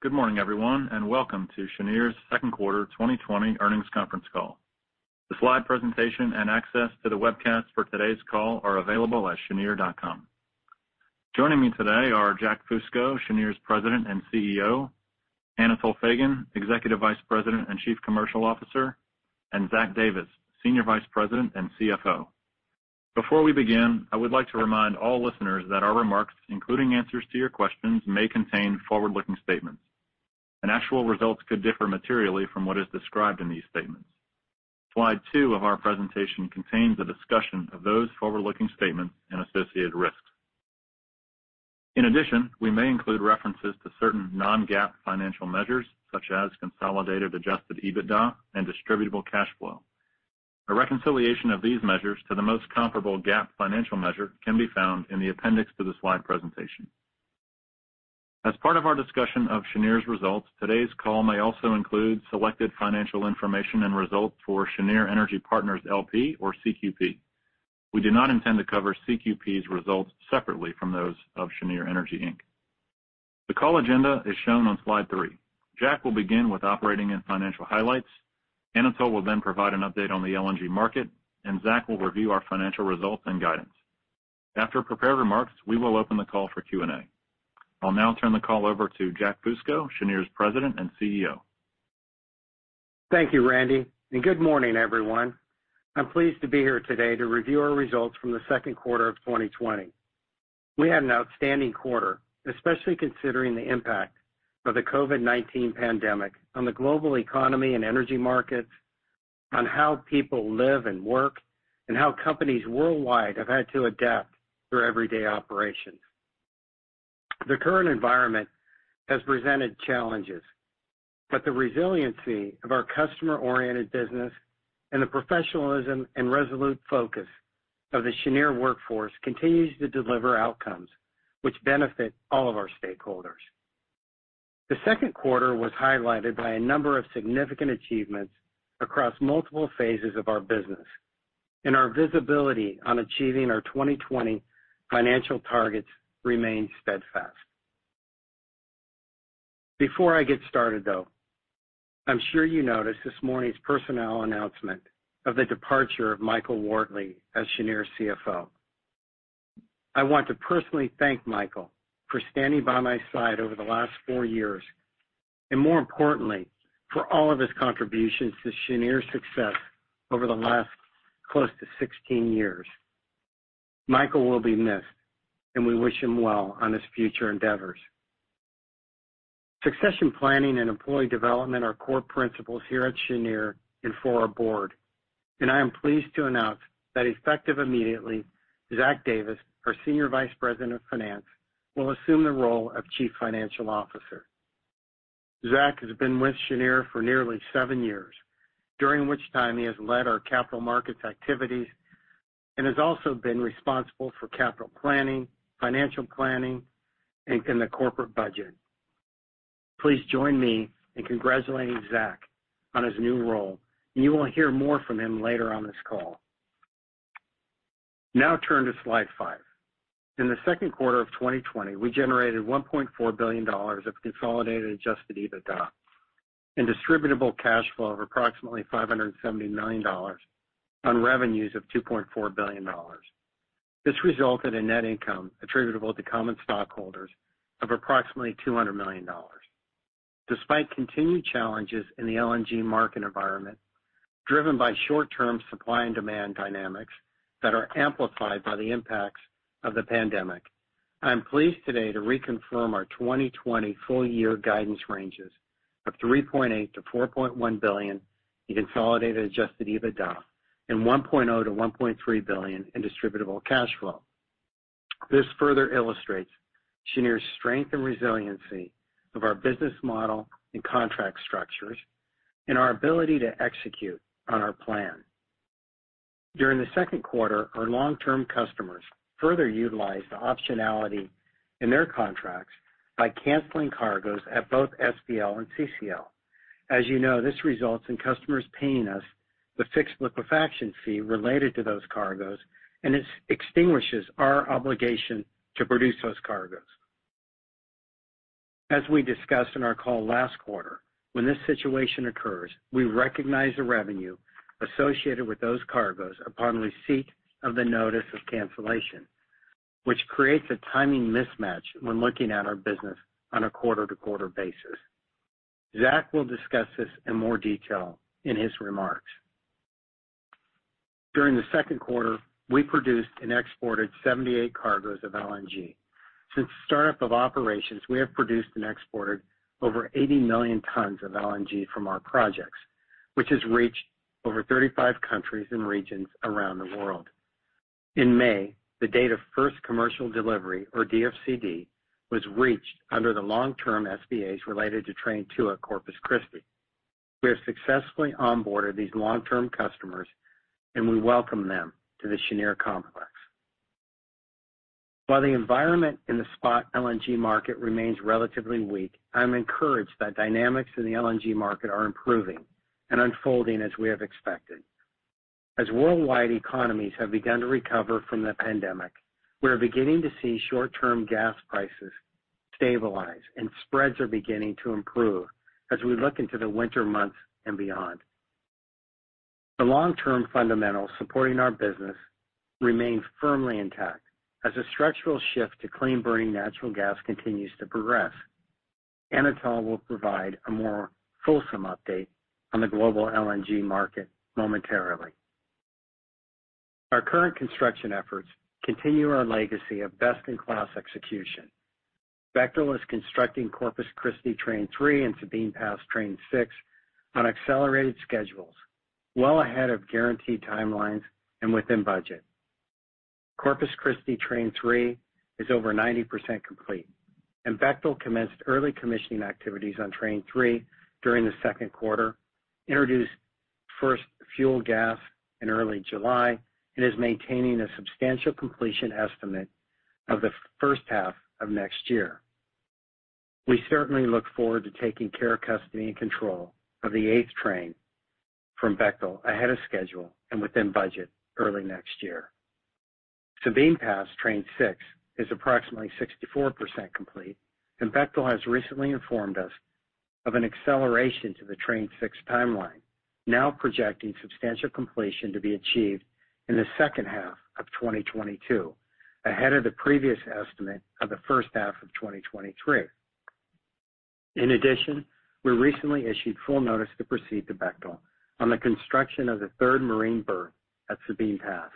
Good morning, everyone, and welcome to Cheniere's second quarter 2020 earnings conference call. The slide presentation and access to the webcast for today's call are available at cheniere.com. Joining me today are Jack Fusco, Cheniere's President and CEO, Anatol Feygin, Executive Vice President and Chief Commercial Officer, and Zach Davis, Senior Vice President and CFO. Before we begin, I would like to remind all listeners that our remarks, including answers to your questions, may contain forward-looking statements, and actual results could differ materially from what is described in these statements. Slide two of our presentation contains a discussion of those forward-looking statements and associated risks. In addition, we may include references to certain non-GAAP financial measures, such as consolidated adjusted EBITDA and distributable cash flow. A reconciliation of these measures to the most comparable GAAP financial measure can be found in the appendix to the slide presentation. As part of our discussion of Cheniere's results, today's call may also include selected financial information and results for Cheniere Energy Partners, L.P., or CQP. We do not intend to cover CQP's results separately from those of Cheniere Energy, Inc. The call agenda is shown on slide three. Jack will begin with operating and financial highlights. Anatol will then provide an update on the LNG market, and Zach will review our financial results and guidance. After prepared remarks, we will open the call for Q&A. I'll now turn the call over to Jack Fusco, Cheniere's President and CEO. Thank you, Randy. Good morning, everyone. I'm pleased to be here today to review our results from the second quarter of 2020. We had an outstanding quarter, especially considering the impact of the COVID-19 pandemic on the global economy and energy markets, on how people live and work, and how companies worldwide have had to adapt their everyday operations. The current environment has presented challenges, but the resiliency of our customer-oriented business and the professionalism and resolute focus of the Cheniere workforce continues to deliver outcomes which benefit all of our stakeholders. The second quarter was highlighted by a number of significant achievements across multiple phases of our business. Our visibility on achieving our 2020 financial targets remains steadfast. Before I get started, though, I'm sure you noticed this morning's personnel announcement of the departure of Michael Wortley as Cheniere's CFO. I want to personally thank Michael for standing by my side over the last four years, and more importantly, for all of his contributions to Cheniere's success over the last close to 16 years. Michael will be missed, and we wish him well on his future endeavors. Succession planning and employee development are core principles here at Cheniere and for our board, and I am pleased to announce that effective immediately, Zach Davis, our Senior Vice President of Finance, will assume the role of Chief Financial Officer. Zach has been with Cheniere for nearly seven years, during which time he has led our capital markets activities and has also been responsible for capital planning, financial planning, and the corporate budget. Please join me in congratulating Zach on his new role, and you will hear more from him later on this call. Turn to slide five. In the second quarter of 2020, we generated $1.4 billion of consolidated adjusted EBITDA and distributable cash flow of approximately $570 million on revenues of $2.4 billion. This resulted in net income attributable to common stockholders of approximately $200 million. Despite continued challenges in the LNG market environment, driven by short-term supply and demand dynamics that are amplified by the impacts of the pandemic, I am pleased today to reconfirm our 2020 full-year guidance ranges of $3.8 billion-$4.1 billion in consolidated adjusted EBITDA and $1.0 billion-$1.3 billion in distributable cash flow. This further illustrates Cheniere's strength and resiliency of our business model and contract structures and our ability to execute on our plan. During the second quarter, our long-term customers further utilized the optionality in their contracts by canceling cargoes at both SPL and CCL. As you know, this results in customers paying us the fixed liquefaction fee related to those cargoes, and it extinguishes our obligation to produce those cargoes. As we discussed in our call last quarter, when this situation occurs, we recognize the revenue associated with those cargoes upon receipt of the notice of cancellation, which creates a timing mismatch when looking at our business on a quarter-to-quarter basis. Zach will discuss this in more detail in his remarks. During the second quarter, we produced and exported 78 cargoes of LNG. Since startup of operations, we have produced and exported over 80 million tons of LNG from our projects, which has reached over 35 countries and regions around the world. In May, the date of first commercial delivery, or DFCD, was reached under the long-term SPAs related to Train 2 at Corpus Christi. We have successfully onboarded these long-term customers, and we welcome them to the Cheniere complex. While the environment in the spot LNG market remains relatively weak, I'm encouraged that dynamics in the LNG market are improving and unfolding as we have expected. As worldwide economies have begun to recover from the pandemic, we are beginning to see short-term gas prices stabilize, and spreads are beginning to improve as we look into the winter months and beyond. The long-term fundamentals supporting our business remain firmly intact as a structural shift to clean-burning natural gas continues to progress. Anatol will provide a more fulsome update on the global LNG market momentarily. Our current construction efforts continue our legacy of best-in-class execution. Bechtel is constructing Corpus Christi Train 3 and Sabine Pass Train 6 on accelerated schedules, well ahead of guaranteed timelines and within budget. Corpus Christi Train 3 is over 90% complete. Bechtel commenced early commissioning activities on Train 3 during the second quarter, introduced first fuel gas in early July, and is maintaining a substantial completion estimate of the first half of next year. We certainly look forward to taking care, custody, and control of the 8th Liquefaction Train from Bechtel ahead of schedule and within budget early next year. Sabine Pass Train 6 is approximately 64% complete. Bechtel has recently informed us of an acceleration to the Train 6 timeline, now projecting substantial completion to be achieved in the second half of 2022, ahead of the previous estimate of the first half of 2023. In addition, we recently issued full notice to proceed to Bechtel on the construction of the third marine berth at Sabine Pass.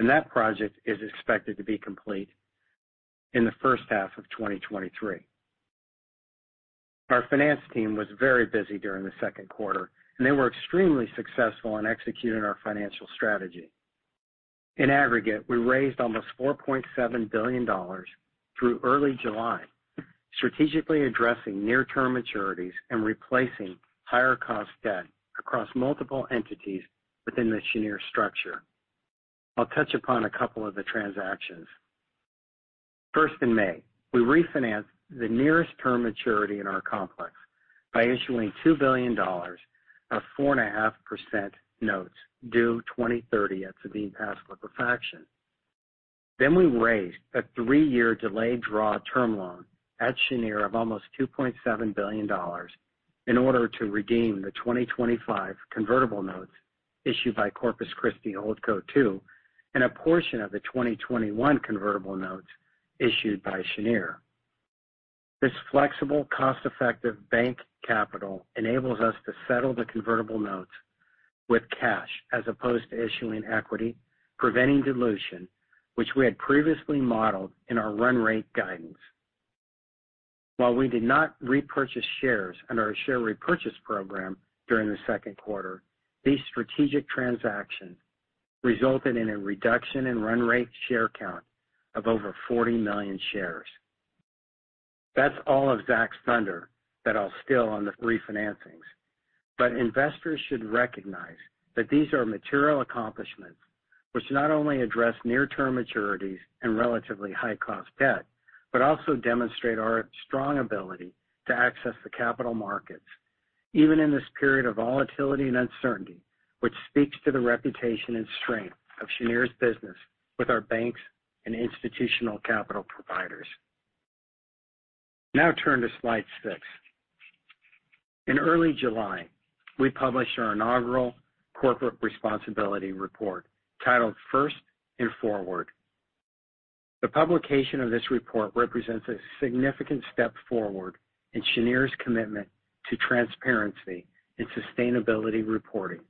That project is expected to be complete in the first half of 2023. Our finance team was very busy during the second quarter, and they were extremely successful in executing our financial strategy. In aggregate, we raised almost $4.7 billion through early July, strategically addressing near-term maturities and replacing higher-cost debt across multiple entities within the Cheniere structure. I'll touch upon a couple of the transactions. First, in May, we refinanced the nearest term maturity in our complex by issuing $2 billion of 4.5% notes due 2030 at Sabine Pass Liquefaction. We raised a three-year delayed draw term loan at Cheniere of almost $2.7 billion in order to redeem the 2025 convertible notes issued by Corpus Christi HoldCo II and a portion of the 2021 convertible notes issued by Cheniere. This flexible, cost-effective bank capital enables us to settle the convertible notes with cash as opposed to issuing equity, preventing dilution, which we had previously modeled in our run rate guidance. While we did not repurchase shares under our share repurchase program during the second quarter, these strategic transactions resulted in a reduction in run rate share count of over 40 million shares. That's all of Zach's thunder that I'll steal on the refinancings. Investors should recognize that these are material accomplishments which not only address near-term maturities and relatively high-cost debt, but also demonstrate our strong ability to access the capital markets, even in this period of volatility and uncertainty, which speaks to the reputation and strength of Cheniere's business with our banks and institutional capital providers. Turn to slide six. In early July, we published our inaugural corporate responsibility report titled First LNG and Forward Contracts/Earnings. The publication of this report represents a significant step forward in Cheniere's commitment to transparency and sustainability reporting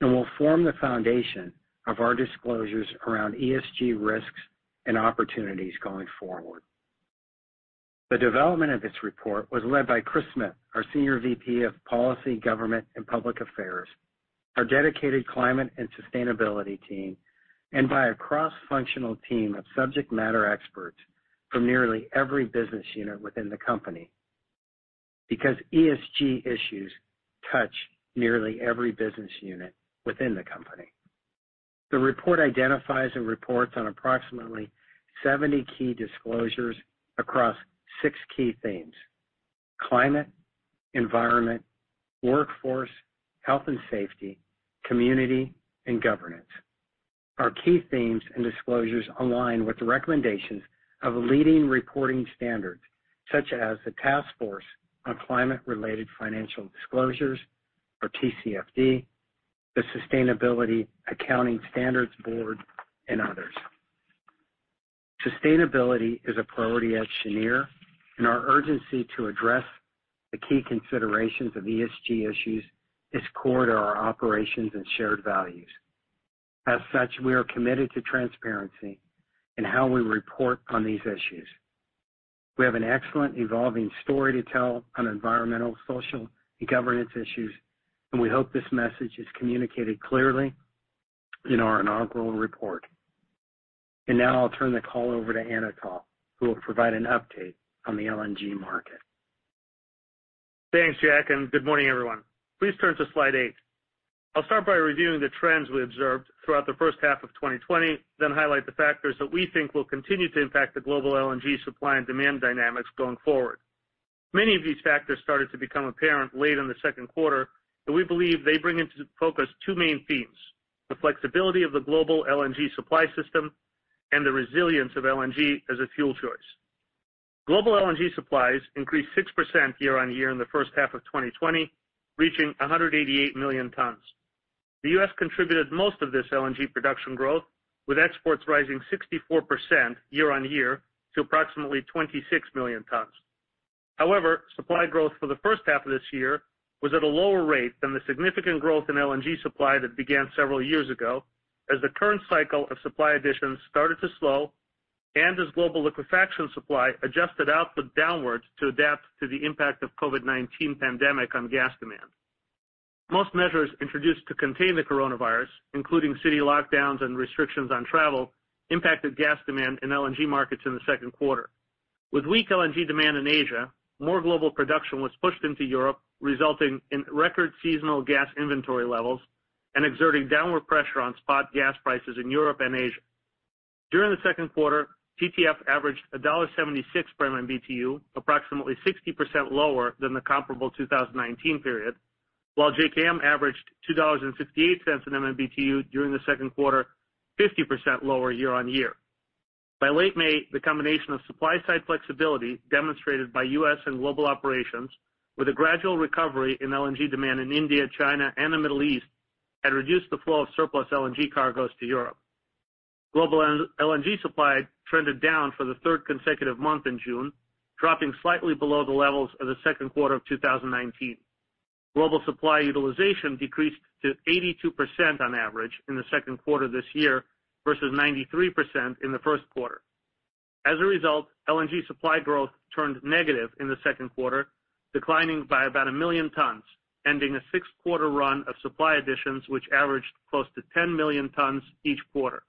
and will form the foundation of our disclosures around ESG risks and opportunities going forward. The development of this report was led by Chris Smith, our Senior VP of Policy, Government, and Public Affairs, our dedicated climate and sustainability team, and by a cross-functional team of subject matter experts from nearly every business unit within the company, because ESG issues touch nearly every business unit within the company. The report identifies and reports on approximately 70 key disclosures across six key themes: climate, environment, workforce, health and safety, community, and governance. Our key themes and disclosures align with the recommendations of leading reporting standards, such as the Task Force on Climate-related Financial Disclosures, or TCFD, the Sustainability Accounting Standards Board, and others. Sustainability is a priority at Cheniere, and our urgency to address the key considerations of ESG issues is core to our operations and shared values. As such, we are committed to transparency in how we report on these issues. We have an excellent evolving story to tell on Environmental, Social, and Governance issues, and we hope this message is communicated clearly in our inaugural report. Now I'll turn the call over to Anatol, who will provide an update on the LNG market. Thanks, Jack. Good morning, everyone. Please turn to slide eight. I'll start by reviewing the trends we observed throughout the first half of 2020, highlight the factors that we think will continue to impact the global LNG supply and demand dynamics going forward. Many of these factors started to become apparent late in the second quarter, we believe they bring into focus two main themes, the flexibility of the global LNG supply system and the resilience of LNG as a fuel choice. Global LNG supplies increased 6% year-on-year in the first half of 2020, reaching 188 million tons. The U.S. contributed most of this LNG production growth, with exports rising 64% year-on-year to approximately 26 million tons. Supply growth for the first half of this year was at a lower rate than the significant growth in LNG supply that began several years ago, as the current cycle of supply additions started to slow and as global liquefaction supply adjusted output downwards to adapt to the impact of COVID-19 pandemic on gas demand. Most measures introduced to contain the coronavirus, including city lockdowns and restrictions on travel, impacted gas demand in LNG markets in the second quarter. With weak LNG demand in Asia, more global production was pushed into Europe, resulting in record seasonal gas inventory levels and exerting downward pressure on spot gas prices in Europe and Asia. During the second quarter, TTF averaged $1.76 per MMBtu, approximately 60% lower than the comparable 2019 period, while JKM averaged $2.68 an MMBtu during the second quarter, 50% lower year-on-year. By late May, the combination of supply side flexibility demonstrated by U.S. and global operations, with a gradual recovery in LNG demand in India, China, and the Middle East, had reduced the flow of surplus LNG cargoes to Europe. Global LNG supply trended down for the third consecutive month in June, dropping slightly below the levels of the second quarter of 2019. Global supply utilization decreased to 82% on average in the second quarter this year versus 93% in the first quarter. As a result, LNG supply growth turned negative in the second quarter, declining by about a million tons, ending a six-quarter run of supply additions, which averaged close to 10 million tons each quarter.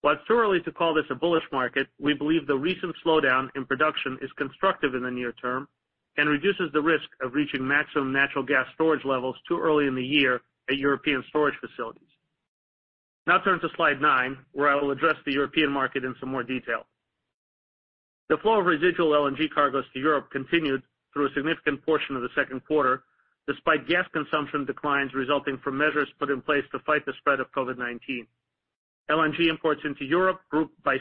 While it's too early to call this a bullish market, we believe the recent slowdown in production is constructive in the near term and reduces the risk of reaching maximum natural gas storage levels too early in the year at European storage facilities. Turn to slide nine, where I will address the European market in some more detail. The flow of residual LNG cargoes to Europe continued through a significant portion of the second quarter, despite gas consumption declines resulting from measures put in place to fight the spread of COVID-19. LNG imports into Europe grew by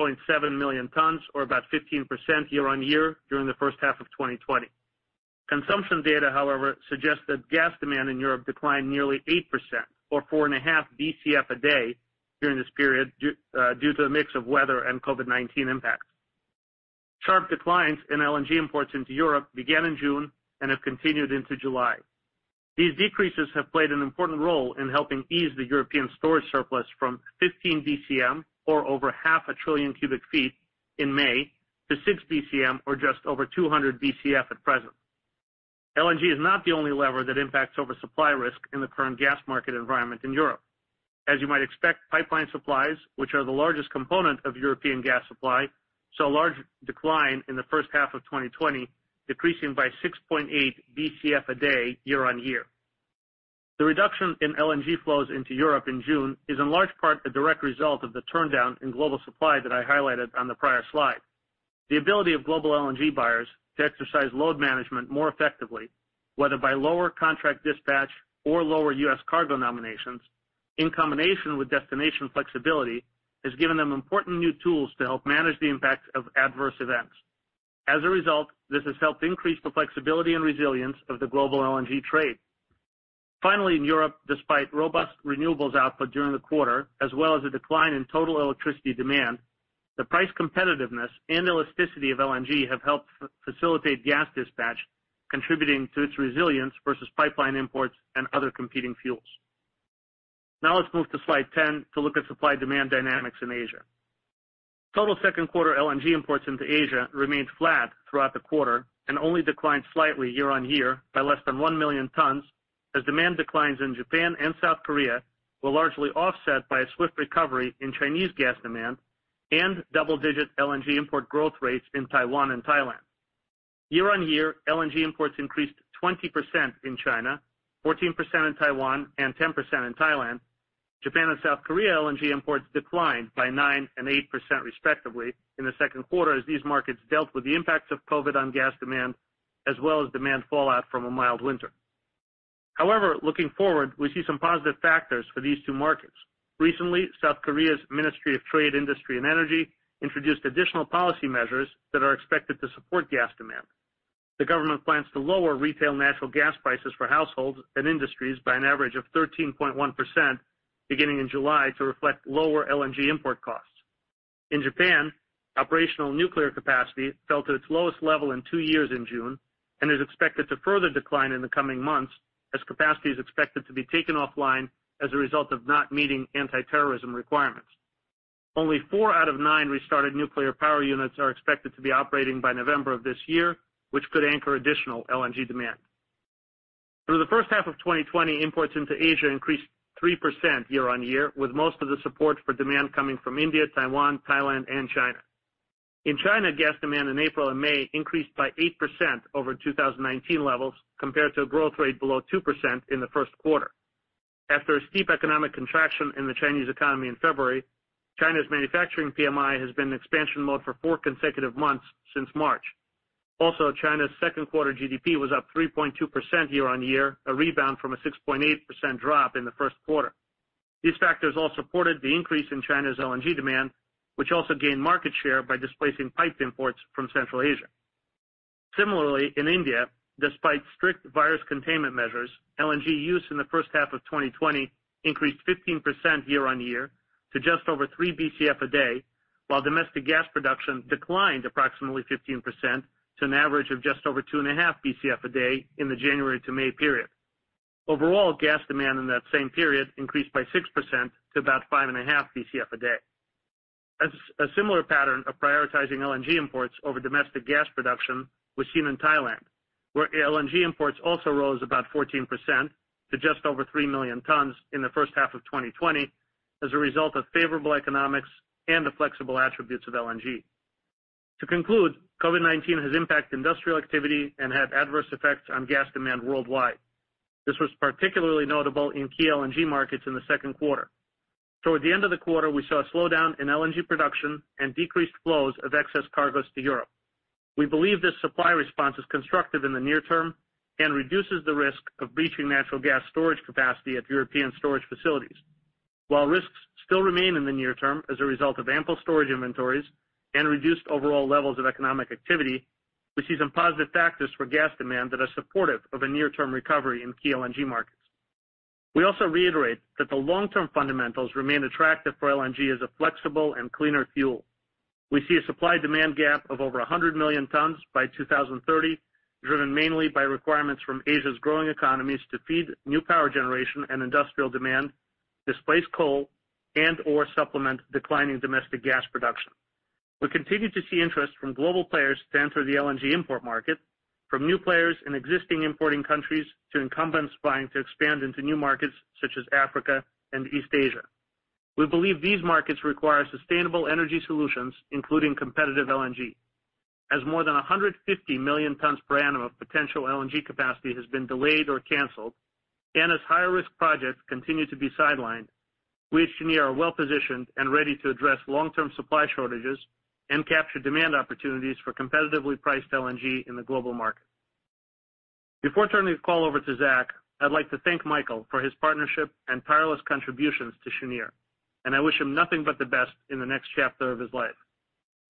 6.7 million tons or about 15% year-on-year during the first half of 2020. Consumption data, however, suggests that gas demand in Europe declined nearly 8% or four and a half BCF a day during this period due to a mix of weather and COVID-19 impacts. Sharp declines in LNG imports into Europe began in June and have continued into July. These decreases have played an important role in helping ease the European storage surplus from 15 BCM or over half a trillion cubic feet in May to 6 BCM or just over 200 BCF at present. LNG is not the only lever that impacts oversupply risk in the current gas market environment in Europe. As you might expect, pipeline supplies, which are the largest component of European gas supply, saw a large decline in the first half of 2020, decreasing by 6.8 BCF a day year-on-year. The reduction in LNG flows into Europe in June is in large part a direct result of the turndown in global supply that I highlighted on the prior slide. The ability of global LNG buyers to exercise load management more effectively, whether by lower contract dispatch or lower U.S. cargo nominations, in combination with destination flexibility, has given them important new tools to help manage the impact of adverse events. As a result, this has helped increase the flexibility and resilience of the global LNG trade. In Europe, despite robust renewables output during the quarter, as well as a decline in total electricity demand, the price competitiveness and elasticity of LNG have helped facilitate gas dispatch, contributing to its resilience versus pipeline imports and other competing fuels. Now let's move to slide 10 to look at supply demand dynamics in Asia. Total second quarter LNG imports into Asia remained flat throughout the quarter and only declined slightly year-over-year by less than one million tons, as demand declines in Japan and South Korea were largely offset by a swift recovery in Chinese gas demand and double-digit LNG import growth rates in Taiwan and Thailand. Year-over-year, LNG imports increased 20% in China, 14% in Taiwan, and 10% in Thailand. Japan and South Korea LNG imports declined by 9% and 8% respectively in the second quarter as these markets dealt with the impacts of COVID-19 on gas demand, as well as demand fallout from a mild winter. Looking forward, we see some positive factors for these two markets. Recently, South Korea's Ministry of Trade, Industry, and Energy introduced additional policy measures that are expected to support gas demand. The government plans to lower retail natural gas prices for households and industries by an average of 13.1% beginning in July to reflect lower LNG import costs. In Japan, operational nuclear capacity fell to its lowest level in two years in June and is expected to further decline in the coming months as capacity is expected to be taken offline as a result of not meeting anti-terrorism requirements. Only four out of nine restarted nuclear power units are expected to be operating by November of this year, which could anchor additional LNG demand. Through the first half of 2020, imports into Asia increased 3% year-on-year, with most of the support for demand coming from India, Taiwan, Thailand, and China. In China, gas demand in April and May increased by 8% over 2019 levels compared to a growth rate below 2% in the first quarter. After a steep economic contraction in the Chinese economy in February, China's manufacturing PMI has been in expansion mode for four consecutive months since March. China's second quarter GDP was up 3.2% year-on-year, a rebound from a 6.8% drop in the first quarter. These factors all supported the increase in China's LNG demand, which also gained market share by displacing piped imports from Central Asia. Similarly, in India, despite strict virus containment measures, LNG use in the first half of 2020 increased 15% year-on-year to just over 3 BCF a day, while domestic gas production declined approximately 15% to an average of just over 2.5 BCF a day in the January to May period. Overall, gas demand in that same period increased by 6% to about 5.5 BCF a day. A similar pattern of prioritizing LNG imports over domestic gas production was seen in Thailand, where LNG imports also rose about 14% to just over three million tons in the first half of 2020 as a result of favorable economics and the flexible attributes of LNG. To conclude, COVID-19 has impacted industrial activity and had adverse effects on gas demand worldwide. This was particularly notable in key LNG markets in the second quarter. Toward the end of the quarter, we saw a slowdown in LNG production and decreased flows of excess cargoes to Europe. We believe this supply response is constructive in the near term and reduces the risk of breaching natural gas storage capacity at European storage facilities. While risks still remain in the near term as a result of ample storage inventories and reduced overall levels of economic activity, we see some positive factors for gas demand that are supportive of a near-term recovery in key LNG markets. We also reiterate that the long-term fundamentals remain attractive for LNG as a flexible and cleaner fuel. We see a supply-demand gap of over 100 million tons by 2030, driven mainly by requirements from Asia's growing economies to feed new power generation and industrial demand, displace coal, and/or supplement declining domestic gas production. We continue to see interest from global players to enter the LNG import market, from new players in existing importing countries to incumbents vying to expand into new markets such as Africa and East Asia. We believe these markets require sustainable energy solutions, including competitive LNG. As more than 150 million tons per annum of potential LNG capacity has been delayed or canceled, and as higher-risk projects continue to be sidelined, we at Cheniere are well-positioned and ready to address long-term supply shortages and capture demand opportunities for competitively priced LNG in the global market. Before turning the call over to Zach, I'd like to thank Michael for his partnership and tireless contributions to Cheniere, and I wish him nothing but the best in the next chapter of his life.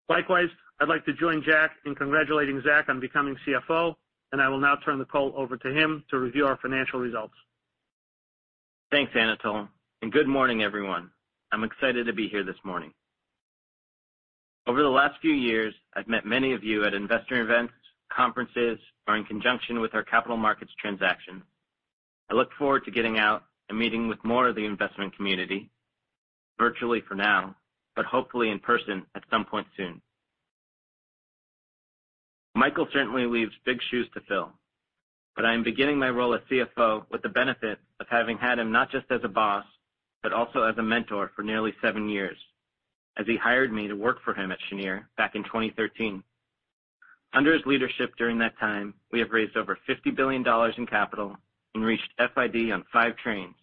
Likewise, I'd like to join Jack in congratulating Zach on becoming CFO, and I will now turn the call over to him to review our financial results. Thanks, Anatol, and good morning, everyone. I'm excited to be here this morning. Over the last few years, I've met many of you at investor events, conferences, or in conjunction with our capital markets transactions. I look forward to getting out and meeting with more of the investment community, virtually for now, but hopefully in person at some point soon. Michael certainly leaves big shoes to fill, but I am beginning my role as CFO with the benefit of having had him not just as a boss, but also as a mentor for nearly seven years, as he hired me to work for him at Cheniere back in 2013. Under his leadership during that time, we have raised over $50 billion in capital and reached FID on five trains,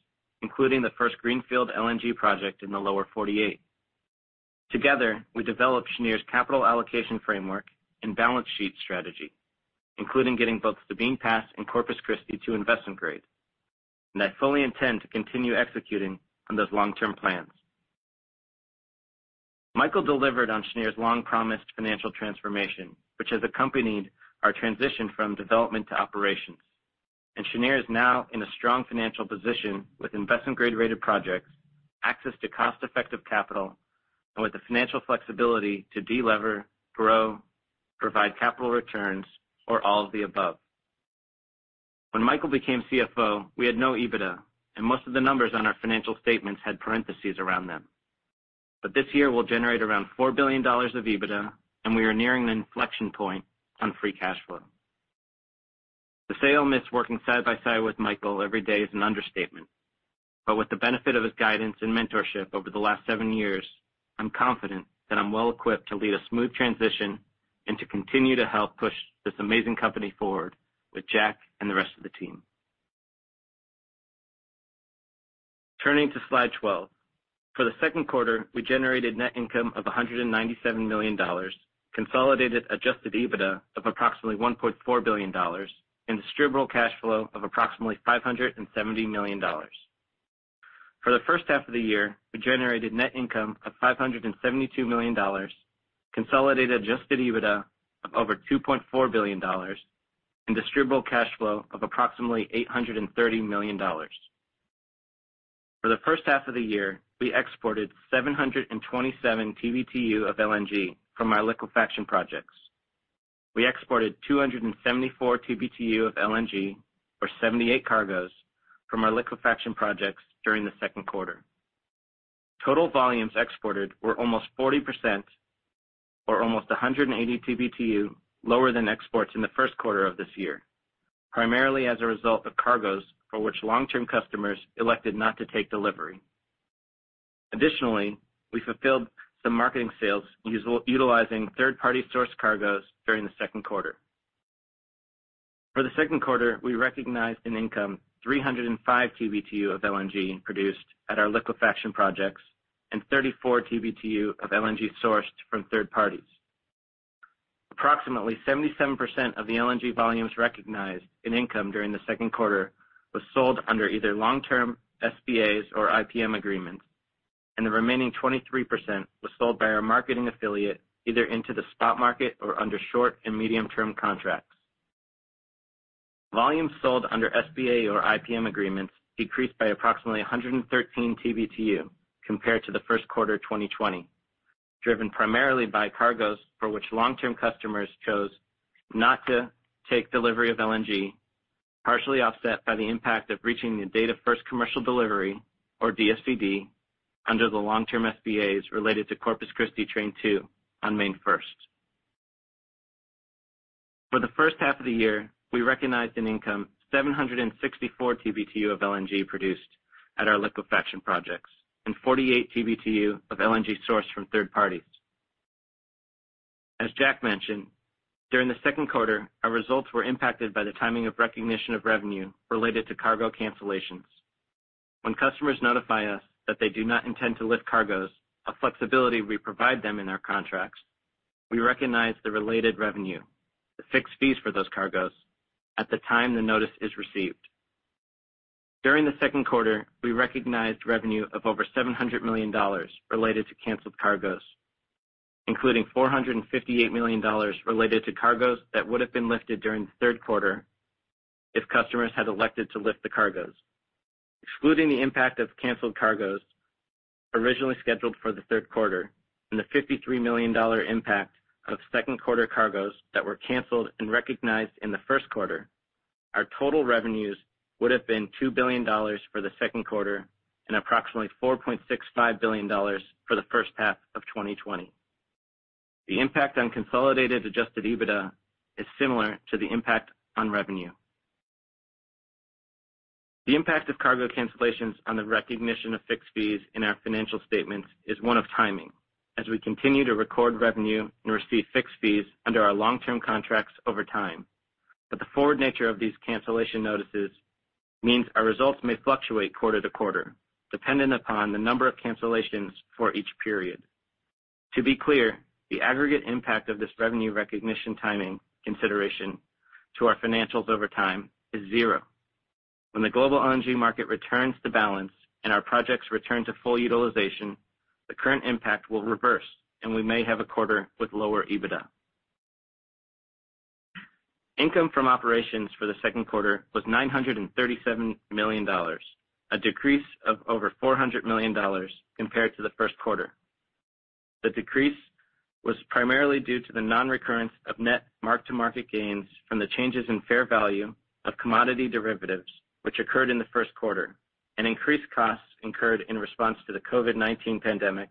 including the first greenfield LNG project in the Lower 48. Together, we developed Cheniere's capital allocation framework and balance sheet strategy, including getting both Sabine Pass and Corpus Christi to investment grade, and I fully intend to continue executing on those long-term plans. Michael delivered on Cheniere's long-promised financial transformation, which has accompanied our transition from development to operations. Cheniere is now in a strong financial position with investment-grade-rated projects, access to cost-effective capital, and with the financial flexibility to delever, grow, provide capital returns, or all of the above. When Michael became CFO, we had no EBITDA, and most of the numbers on our financial statements had parentheses around them. This year, we'll generate around $4 billion of EBITDA, and we are nearing an inflection point on free cash flow. To say I'll miss working side by side with Michael every day is an understatement. With the benefit of his guidance and mentorship over the last seven years, I'm confident that I'm well-equipped to lead a smooth transition and to continue to help push this amazing company forward with Jack and the rest of the team. Turning to slide 12. For the second quarter, we generated net income of $197 million, consolidated adjusted EBITDA of approximately $1.4 billion, and distributable cash flow of approximately $570 million. For the first half of the year, we generated net income of $572 million, consolidated adjusted EBITDA of over $2.4 billion, and distributable cash flow of approximately $830 million. For the first half of the year, we exported 727 TBtu of LNG from our liquefaction projects. We exported 274 TBtu of LNG, or 78 cargoes, from our liquefaction projects during the second quarter. Total volumes exported were almost 40%, or almost 180 TBtu, lower than exports in the first quarter of this year, primarily as a result of cargoes for which long-term customers elected not to take delivery. Additionally, we fulfilled some marketing sales utilizing third-party source cargoes during the second quarter. For the second quarter, we recognized an income 305 TBtu of LNG produced at our liquefaction projects and 34 TBtu of LNG sourced from third parties. Approximately 77% of the LNG volumes recognized in income during the second quarter was sold under either long-term SPAs or IPM agreements, and the remaining 23% was sold by our marketing affiliate, either into the spot market or under short- and medium-term contracts. Volumes sold under SPA or IPM agreements decreased by approximately 113 TBtu compared to the first quarter 2020, driven primarily by cargoes for which long-term customers chose not to take delivery of LNG, partially offset by the impact of reaching the date of first commercial delivery, or DFCD, under the long-term SPAs related to Corpus Christi Train 2 on May 1st. For the first half of the year, we recognized an income 764 TBtu of LNG produced at our liquefaction projects and 48 TBtu of LNG sourced from third parties. As Jack mentioned, during the second quarter, our results were impacted by the timing of recognition of revenue related to cargo cancellations. When customers notify us that they do not intend to lift cargoes, a flexibility we provide them in our contracts, we recognize the related revenue, the fixed fees for those cargoes at the time the notice is received. During the second quarter, we recognized revenue of over $700 million related to canceled cargoes, including $458 million related to cargoes that would have been lifted during the third quarter if customers had elected to lift the cargoes. Excluding the impact of canceled cargoes originally scheduled for the third quarter and the $53 million impact of second quarter cargoes that were canceled and recognized in the first quarter, our total revenues would have been $2 billion for the second quarter and approximately $4.65 billion for the first half of 2020. The impact on consolidated adjusted EBITDA is similar to the impact on revenue. The impact of cargo cancellations on the recognition of fixed fees in our financial statements is one of timing, as we continue to record revenue and receive fixed fees under our long-term contracts over time. The forward nature of these cancellation notices means our results may fluctuate quarter-to-quarter, dependent upon the number of cancellations for each period. To be clear, the aggregate impact of this revenue recognition timing consideration to our financials over time is zero. When the global LNG market returns to balance and our projects return to full utilization, the current impact will reverse, and we may have a quarter with lower EBITDA. Income from operations for the second quarter was $937 million, a decrease of over $400 million compared to the first quarter. The decrease was primarily due to the non-recurrence of net mark-to-market gains from the changes in fair value of commodity derivatives, which occurred in the first quarter, and increased costs incurred in response to the COVID-19 pandemic,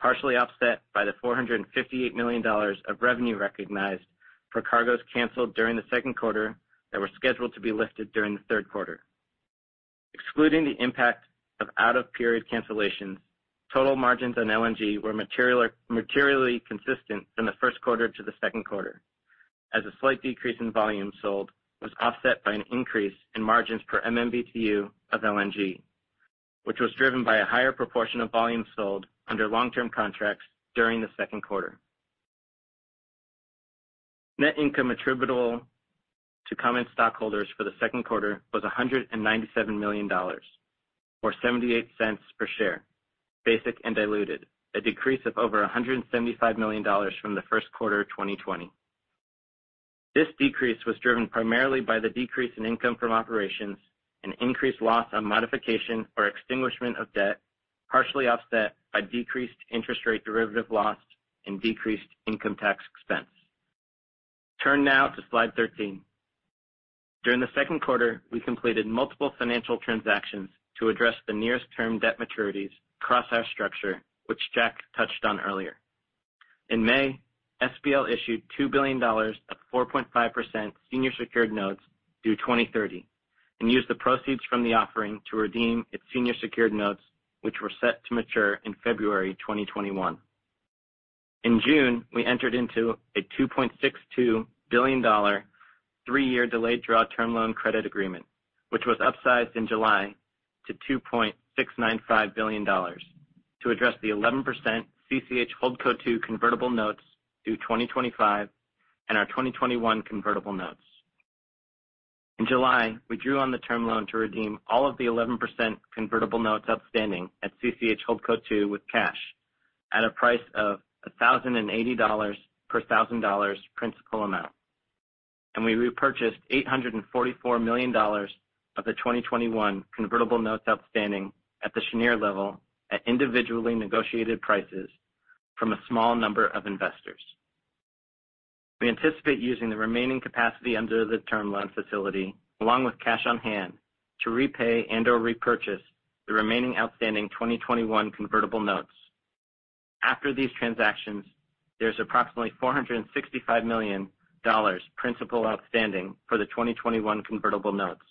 partially offset by the $458 million of revenue recognized for cargoes canceled during the second quarter that were scheduled to be lifted during the third quarter. Excluding the impact of out-of-period cancellations, total margins on LNG were materially consistent from the first quarter to the second quarter, as a slight decrease in volume sold was offset by an increase in margins per MMBtu of LNG, which was driven by a higher proportion of volumes sold under long-term contracts during the second quarter. Net income attributable to common stockholders for the second quarter was $197 million, or $0.78 per share, basic and diluted, a decrease of over $175 million from the first quarter 2020. This decrease was driven primarily by the decrease in income from operations and increased loss on modification or extinguishment of debt, partially offset by decreased interest rate derivative loss and decreased income tax expense. Turn now to slide 13. During the second quarter, we completed multiple financial transactions to address the nearest-term debt maturities across our structure, which Jack touched on earlier. In May, SPL issued $2 billion of 4.5% senior secured notes due 2030 and used the proceeds from the offering to redeem its senior secured notes, which were set to mature in February 2021. In June, we entered into a $2.62 billion, three-year delayed draw term loan credit agreement, which was upsized in July to $2.695 billion to address the 11% CCH HoldCo II convertible notes due 2025 and our 2021 convertible notes. In July, we drew on the term loan to redeem all of the 11% convertible notes outstanding at CCH HoldCo II with cash at a price of $1,080 per $1,000 principal amount, and we repurchased $844 million of the 2021 convertible notes outstanding at the Cheniere level at individually negotiated prices from a small number of investors. We anticipate using the remaining capacity under the term loan facility, along with cash on hand, to repay and/or repurchase the remaining outstanding 2021 convertible notes. After these transactions, there's approximately $465 million principal outstanding for the 2021 convertible notes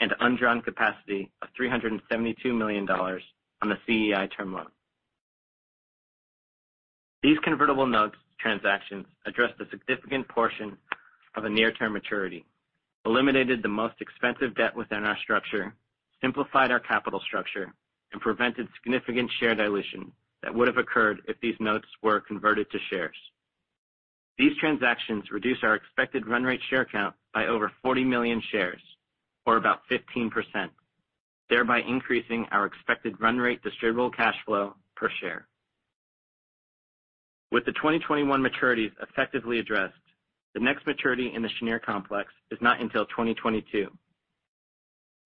and undrawn capacity of $372 million on the CEI term loan. These convertible notes transactions address the significant portion of a near-term maturity, eliminated the most expensive debt within our structure, simplified our capital structure, and prevented significant share dilution that would have occurred if these notes were converted to shares. These transactions reduce our expected run rate share count by over 40 million shares or about 15%, thereby increasing our expected run rate distributable cash flow per share. With the 2021 maturities effectively addressed, the next maturity in the Cheniere complex is not until 2022.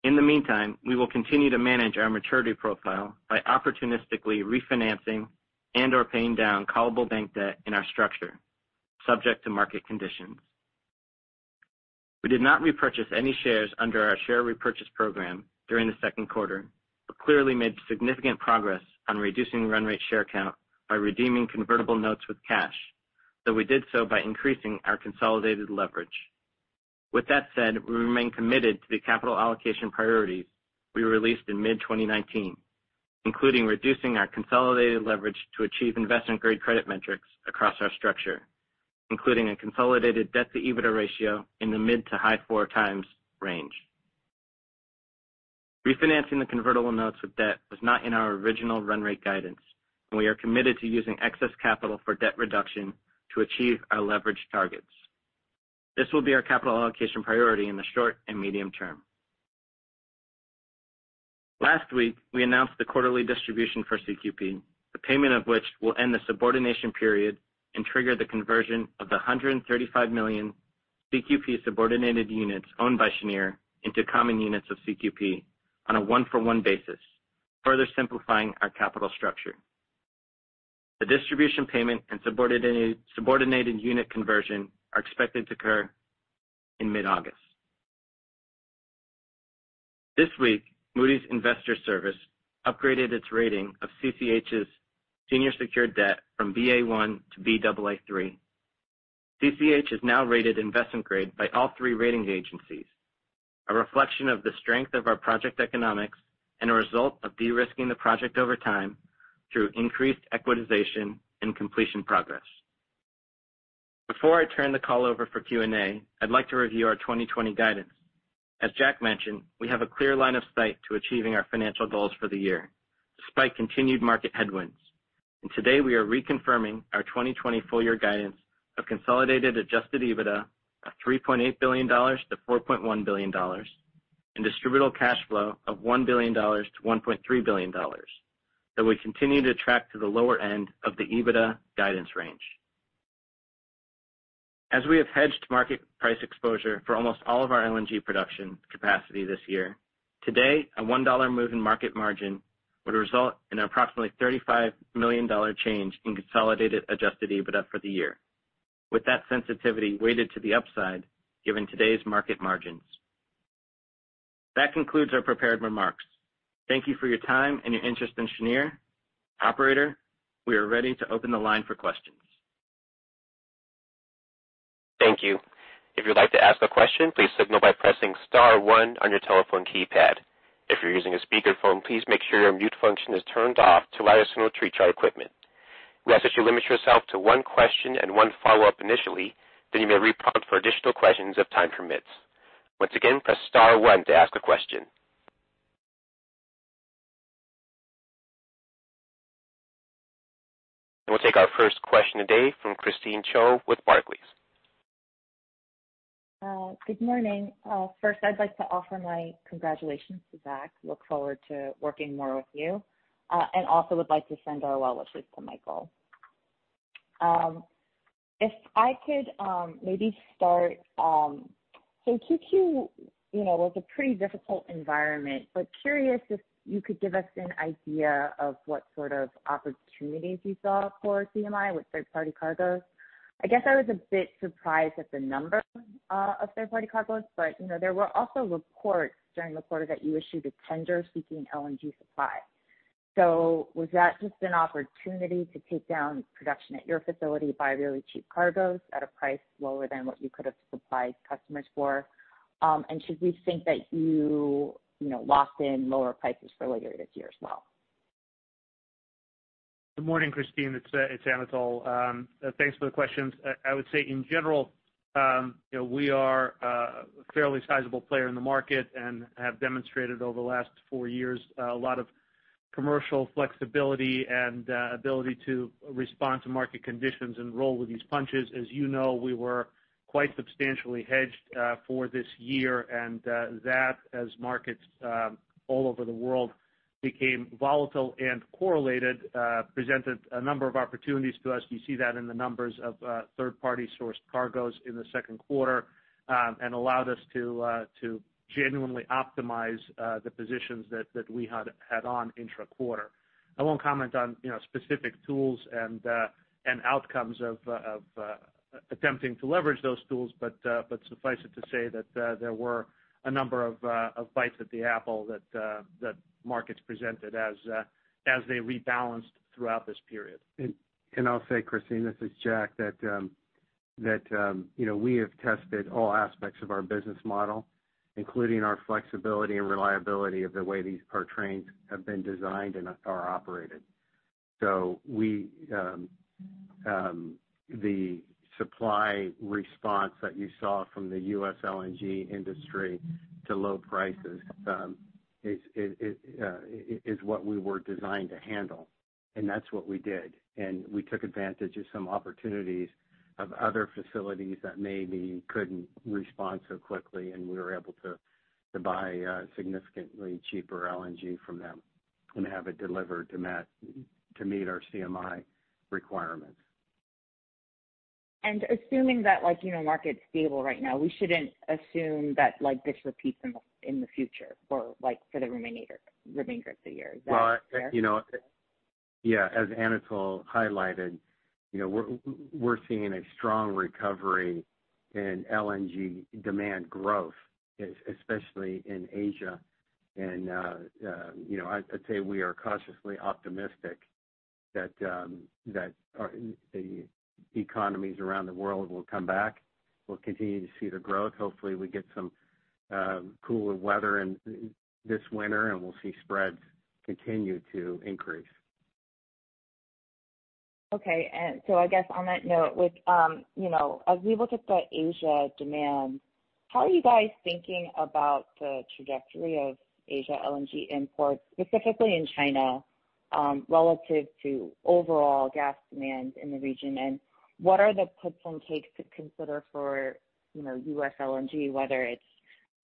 In the meantime, we will continue to manage our maturity profile by opportunistically refinancing and/or paying down callable bank debt in our structure subject to market conditions. We did not repurchase any shares under our share repurchase program during the second quarter, but clearly made significant progress on reducing run rate share count by redeeming convertible notes with cash, though we did so by increasing our consolidated leverage. With that said, we remain committed to the capital allocation priorities we released in mid-2019, including reducing our consolidated leverage to achieve investment-grade credit metrics across our structure, including a consolidated debt-to-EBITDA ratio in the mid to high four times range. Refinancing the convertible notes with debt was not in our original run rate guidance, and we are committed to using excess capital for debt reduction to achieve our leverage targets. This will be our capital allocation priority in the short and medium term. Last week, we announced the quarterly distribution for CQP, the payment of which will end the subordination period and trigger the conversion of the 135 million CQP subordinated units owned by Cheniere into common units of CQP on a one-for-one basis, further simplifying our capital structure. The distribution payment and subordinated unit conversion are expected to occur in mid-August. This week, Moody's Investors Service upgraded its rating of CCH's senior secured debt from Ba1 to Baa3. CCH is now rated investment-grade by all three ratings agencies, a reflection of the strength of our project economics and a result of de-risking the project over time through increased equitization and completion progress. Before I turn the call over for Q&A, I'd like to review our 2020 guidance. As Jack mentioned, we have a clear line of sight to achieving our financial goals for the year despite continued market headwinds. Today, we are reconfirming our 2020 full-year guidance of consolidated adjusted EBITDA of $3.8 billion-$4.1 billion and distributable cash flow of $1 billion-$1.3 billion, that we continue to track to the lower end of the EBITDA guidance range. As we have hedged market price exposure for almost all of our LNG production capacity this year, today, a $1 move in market margin would result in approximately $35 million change in consolidated adjusted EBITDA for the year. With that sensitivity weighted to the upside, given today's market margins. That concludes our prepared remarks. Thank you for your time and your interest in Cheniere. Operator, we are ready to open the line for questions. Thank you. We'll take our first question today from Christine Cho with Barclays. Good morning. First, I'd like to offer my congratulations to Zach. Look forward to working more with you. Also would like to send our well wishes to Michael. If I could maybe start. Q2 was a pretty difficult environment, but curious if you could give us an idea of what sort of opportunities you saw for CMI with third-party cargoes. I guess I was a bit surprised at the number of third-party cargoes, but there were also reports during the quarter that you issued a tender seeking LNG supply. Was that just an opportunity to take down production at your facility by really cheap cargoes at a price lower than what you could have supplied customers for? Should we think that you locked in lower prices for later this year as well? Good morning, Christine. It's Anatol. Thanks for the questions. I would say in general, we are a fairly sizable player in the market and have demonstrated over the last four years a lot of commercial flexibility and ability to respond to market conditions and roll with these punches. As you know, we were quite substantially hedged for this year. That, as markets all over the world became volatile and correlated, presented a number of opportunities to us. You see that in the numbers of third-party-sourced cargoes in the second quarter and allowed us to genuinely optimize the positions that we had on intra-quarter. I won't comment on specific tools and outcomes of attempting to leverage those tools, but suffice it to say that there were a number of bites at the apple that markets presented as they rebalanced throughout this period. I'll say, Christine, this is Jack, that. That we have tested all aspects of our business model, including our flexibility and reliability of the way these trains have been designed and are operated. The supply response that you saw from the U.S. LNG industry to low prices is what we were designed to handle, and that's what we did. We took advantage of some opportunities of other facilities that maybe couldn't respond so quickly, and we were able to buy significantly cheaper LNG from them and have it delivered to meet our CMI requirements. Assuming that market's stable right now, we shouldn't assume that this repeats in the future for the remainder of the year. Is that fair? Well, yeah. As Anatol highlighted, we're seeing a strong recovery in LNG demand growth, especially in Asia. I'd say we are cautiously optimistic that the economies around the world will come back. We'll continue to see the growth. Hopefully, we get some cooler weather in this winter, and we'll see spreads continue to increase. Okay. I guess on that note, as we look at the Asia demand, how are you guys thinking about the trajectory of Asia LNG imports, specifically in China, relative to overall gas demand in the region? What are the puts and takes to consider for U.S. LNG, whether it's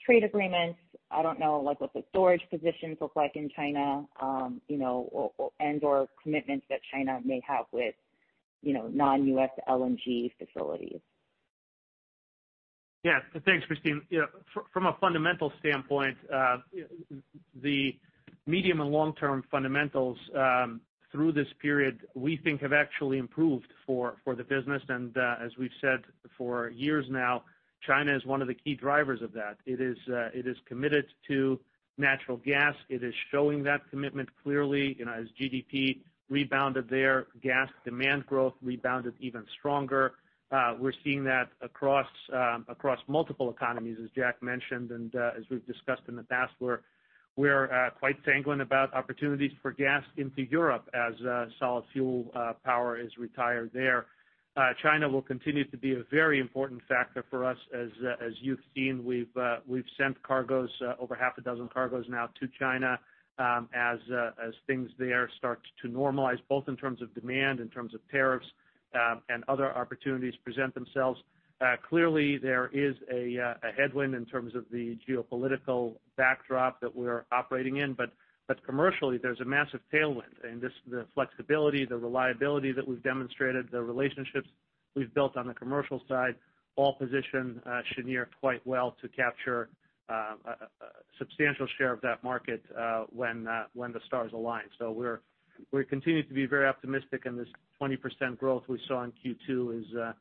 trade agreements, I don't know, what the storage positions look like in China, and/or commitments that China may have with non-U.S. LNG facilities? Thanks, Christine. From a fundamental standpoint, the medium and long-term fundamentals through this period, we think have actually improved for the business. As we've said for years now, China is one of the key drivers of that. It is committed to natural gas. It is showing that commitment clearly. As GDP rebounded there, gas demand growth rebounded even stronger. We're seeing that across multiple economies, as Jack mentioned, and as we've discussed in the past, we're quite sanguine about opportunities for gas into Europe as solid fuel power is retired there. China will continue to be a very important factor for us. As you've seen, we've sent over half a dozen cargoes now to China as things there start to normalize, both in terms of demand, in terms of tariffs, and other opportunities present themselves. Clearly, there is a headwind in terms of the geopolitical backdrop that we're operating in. Commercially, there's a massive tailwind in the flexibility, the reliability that we've demonstrated, the relationships we've built on the commercial side, all position Cheniere quite well to capture a substantial share of that market when the stars align. We continue to be very optimistic, and this 20% growth we saw in Q2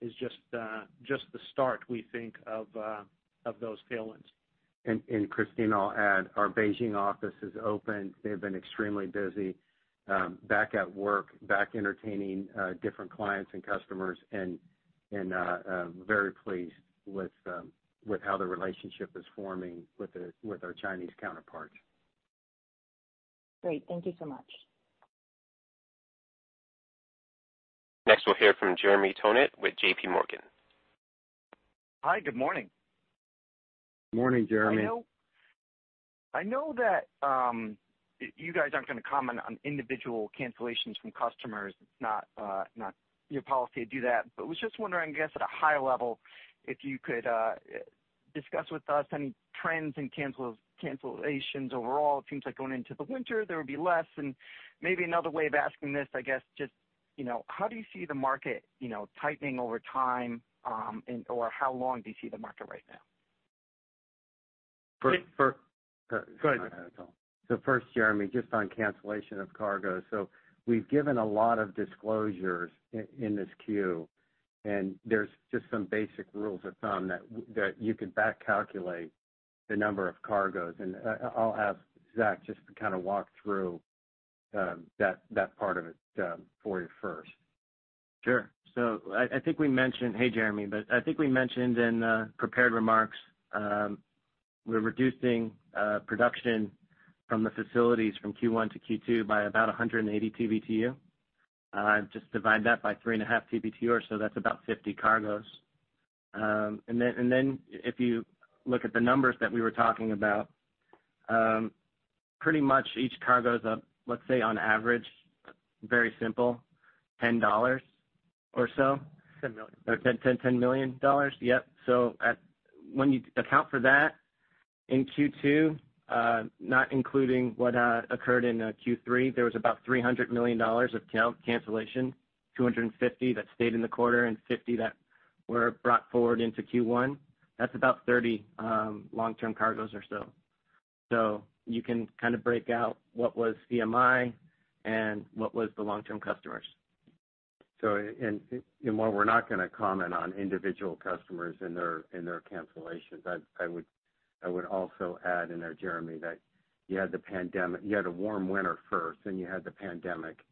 is just the start, we think, of those tailwinds. Christine, I'll add, our Beijing office is open. They've been extremely busy back at work, back entertaining different clients and customers, and very pleased with how the relationship is forming with our Chinese counterparts. Great. Thank you so much. Next, we'll hear from Jeremy Tonet with J.P. Morgan. Hi. Good morning. Morning, Jeremy. I know that you guys aren't going to comment on individual cancellations from customers. It's not your policy to do that. Was just wondering, I guess, at a high level, if you could discuss with us any trends in cancellations overall. It seems like going into the winter, there would be less. Maybe another way of asking this, I guess just, how do you see the market tightening over time? How long do you see the market right now? For. Go ahead. First, Jeremy, just on cancellation of cargoes. We've given a lot of disclosures in this Q, and there's just some basic rules of thumb that you could back calculate the number of cargoes. I'll have Zach just to kind of walk through that part of it for you first. Sure. Hey, Jeremy. I think we mentioned in prepared remarks we're reducing production from the facilities from Q1-Q2 by about 180 TBtu. Just divide that by 3.5 TBtu or so, that's about 50 cargoes. If you look at the numbers that we were talking about, pretty much each cargo is, let's say on average, very simple, $10 million or so. $10 million. $10 million. Yep. When you account for that in Q2, not including what occurred in Q3, there was about $300 million of cancellation, $250 million that stayed in the quarter and $50 million that were brought forward into Q1. That's about 30 long-term cargoes or so. You can kind of break out what was CMI and what was the long-term customers. While we're not going to comment on individual customers and their cancellations, I would. I would also add in there, Jeremy, that you had a warm winter first, then you had the pandemic,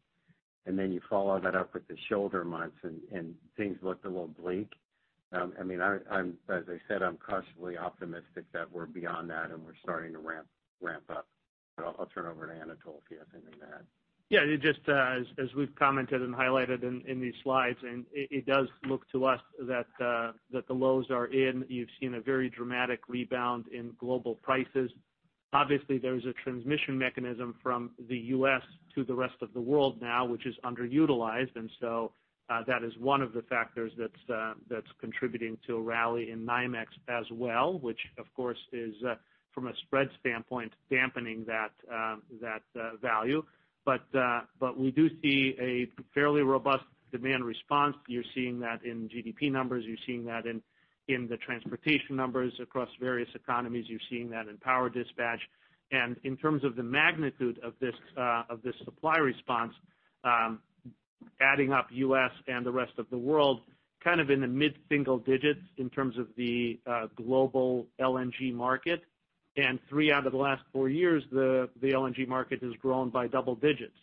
and then you follow that up with the shoulder months and things looked a little bleak. As I said, I'm cautiously optimistic that we're beyond that and we're starting to ramp up. I'll turn it over to Anatol if he has anything to add. Yeah. As we've commented and highlighted in these slides, it does look to us that the lows are in. You've seen a very dramatic rebound in global prices. Obviously, there's a transmission mechanism from the U.S. to the rest of the world now, which is underutilized. That is one of the factors that's contributing to a rally in NYMEX as well, which, of course, is from a spread standpoint, dampening that value. We do see a fairly robust demand response. You're seeing that in GDP numbers. You're seeing that in the transportation numbers across various economies. You're seeing that in power dispatch. In terms of the magnitude of this supply response, adding up U.S. and the rest of the world, in the mid-single digits in terms of the global LNG market. Three out of the last four years, the LNG market has grown by double digits.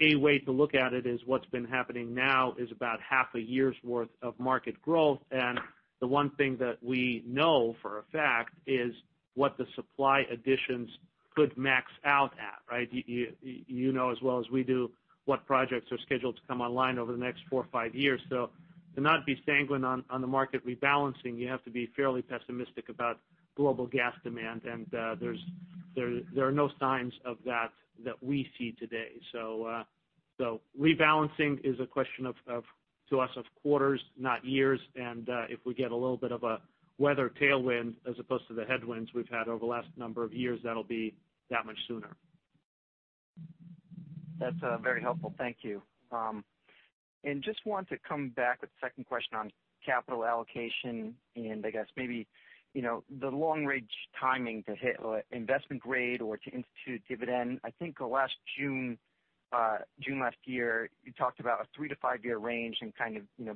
A way to look at it is what's been happening now is about half a year's worth of market growth. The one thing that we know for a fact is what the supply additions could max out at, right? You know as well as we do what projects are scheduled to come online over the next four or five years. To not be sanguine on the market rebalancing, you have to be fairly pessimistic about global gas demand, and there are no signs of that that we see today. Rebalancing is a question to us of quarters, not years. If we get a little bit of a weather tailwind as opposed to the headwinds we've had over the last number of years, that'll be that much sooner. That's very helpful. Thank you. Just want to come back with a second question on capital allocation and I guess maybe the long-range timing to hit investment grade or to institute dividend. I think June last year, you talked about a three to five-year range and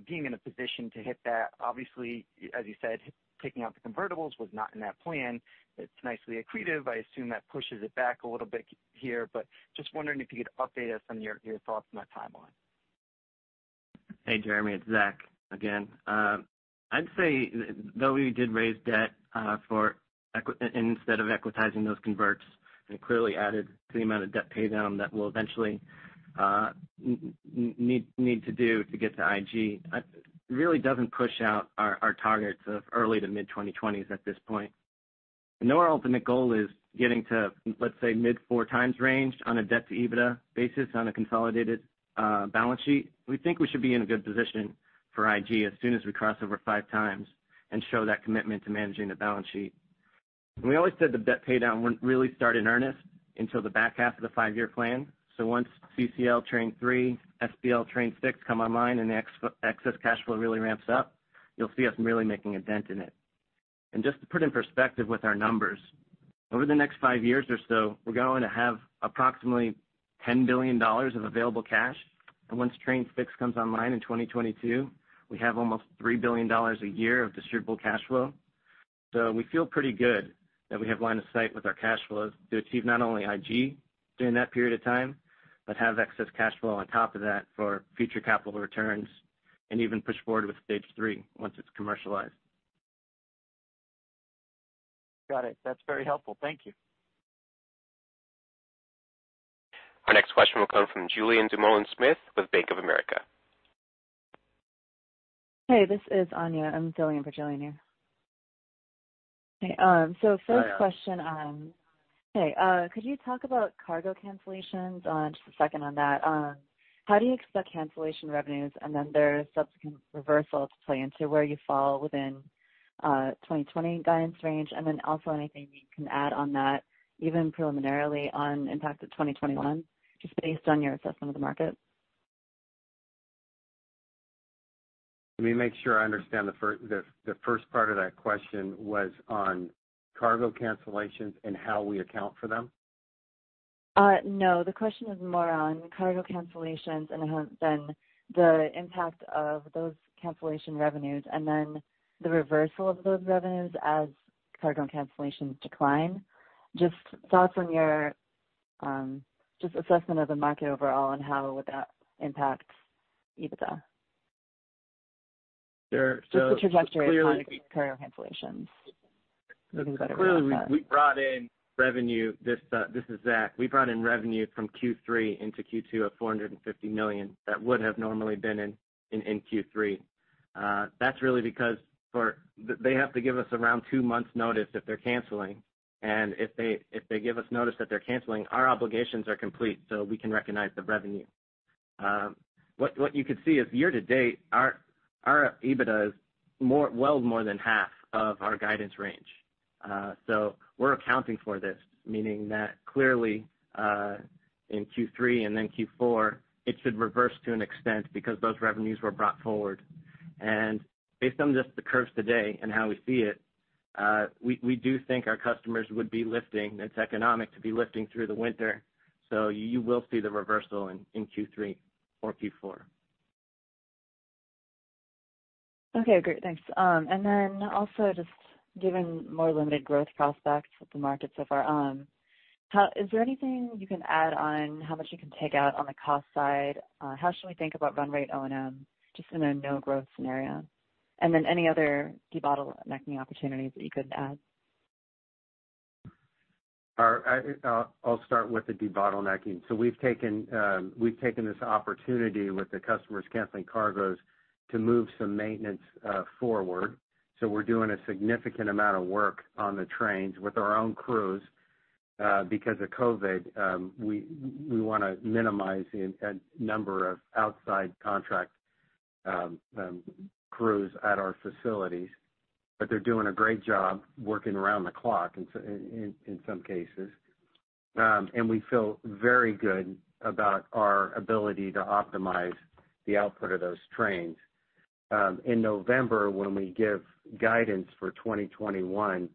being in a position to hit that. Obviously, as you said, taking out the convertibles was not in that plan. It's nicely accretive. I assume that pushes it back a little bit here, just wondering if you could update us on your thoughts on that timeline. Hey, Jeremy. It's Zach again. I'd say though we did raise debt instead of equitizing those converts and clearly added to the amount of debt pay down that we'll eventually need to do to get to IG, really doesn't push out our targets of early to mid-2020s at this point. I know our ultimate goal is getting to, let's say, mid 4 x range on a debt-to-EBITDA basis on a consolidated balance sheet. We think we should be in a good position for IG as soon as we cross over 5 x and show that commitment to managing the balance sheet. We always said the debt pay down wouldn't really start in earnest until the back half of the five-year plan. Once CCL Train 3, SPL Train 6 come online and the excess cash flow really ramps up, you'll see us really making a dent in it. Just to put in perspective with our numbers, over the next five years or so, we're going to have approximately $10 billion of available cash. Once Train 6 comes online in 2022, we have almost $3 billion a year of distributable cash flow. We feel pretty good that we have line of sight with our cash flows to achieve not only IG during that period of time, but have excess cash flow on top of that for future capital returns and even push forward with Stage 3 once it's commercialized. Got it. That's very helpful. Thank you. Our next question will come from Julien Dumoulin-Smith with Bank of America. Hey, this is Anya. I'm filling in for Julien here. Hi, Anya. First question. Hey, could you talk about cargo cancellations? Just a second on that. How do you expect cancellation revenues and then their subsequent reversal to play into where you fall within 2020 guidance range? Anything you can add on that, even preliminarily on impact to 2021, just based on your assessment of the market? Let me make sure I understand. The first part of that question was on cargo cancellations and how we account for them? No. The question is more on cargo cancellations and then the impact of those cancellation revenues, and then the reversal of those revenues as cargo cancellations decline. Just thoughts on your assessment of the market overall and how would that impact EBITDA. Sure. Just the trajectory of cargo cancellations. Look, clearly- Looking ahead around that. This is Zach. We brought in revenue from Q3 into Q2 of $450 million that would have normally been in Q3. That's really because they have to give us around two months notice if they're canceling. If they give us notice that they're canceling, our obligations are complete, so we can recognize the revenue. What you could see is year to date, our EBITDA is well more than half of our guidance range. We're accounting for this, meaning that clearly, in Q3 and then Q4, it should reverse to an extent because those revenues were brought forward. Based on just the curves today and how we see it, we do think our customers would be lifting. It's economic to be lifting through the winter. You will see the reversal in Q3 or Q4. Okay, great. Thanks. Also just given more limited growth prospects with the market so far on, is there anything you can add on how much you can take out on the cost side? How should we think about run rate O&M, just in a no-growth scenario? Any other debottlenecking opportunities that you could add? I'll start with the debottlenecking. We've taken this opportunity with the customers canceling cargoes to move some maintenance forward. We're doing a significant amount of work on the trains with our own crews, because of COVID. We want to minimize the number of outside contract crews at our facilities. They're doing a great job working around the clock in some cases. We feel very good about our ability to optimize the output of those trains. In November, when we give guidance for 2021,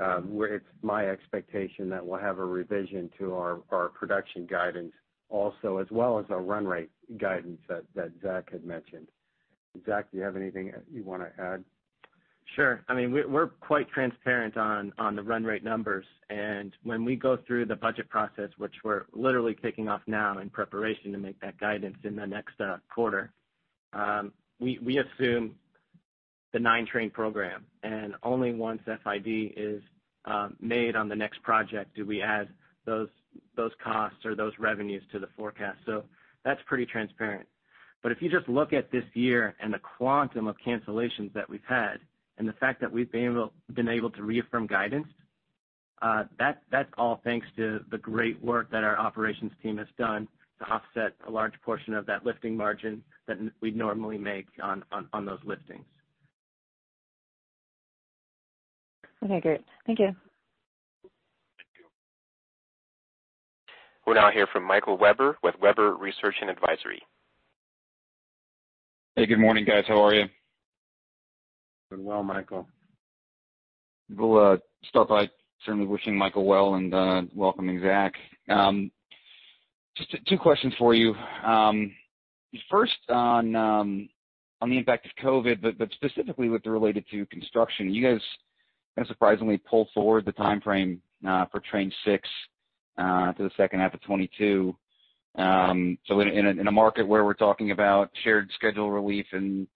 it's my expectation that we'll have a revision to our production guidance also, as well as our run rate guidance that Zach had mentioned. Zach, do you have anything you want to add? Sure. We're quite transparent on the run rate numbers. When we go through the budget process, which we're literally kicking off now in preparation to make that guidance in the next quarter, we assume the 9-train program, and only once FID is made on the next project, do we add those costs or those revenues to the forecast. That's pretty transparent. If you just look at this year and the quantum of cancellations that we've had, and the fact that we've been able to reaffirm guidance, that's all thanks to the great work that our operations team has done to offset a large portion of that lifting margin that we'd normally make on those liftings. Okay, great. Thank you. Thank you. We'll now hear from Michael Webber with Webber Research & Advisory. Hey, good morning, guys. How are you? Doing well, Michael. We'll start by certainly wishing Michael well and welcoming Zach. Just two questions for you. First on the impact of COVID-19, specifically related to construction. You guys unsurprisingly pulled forward the timeframe for Train 6 to the second half of 2022. In a market where we're talking about shared schedule relief and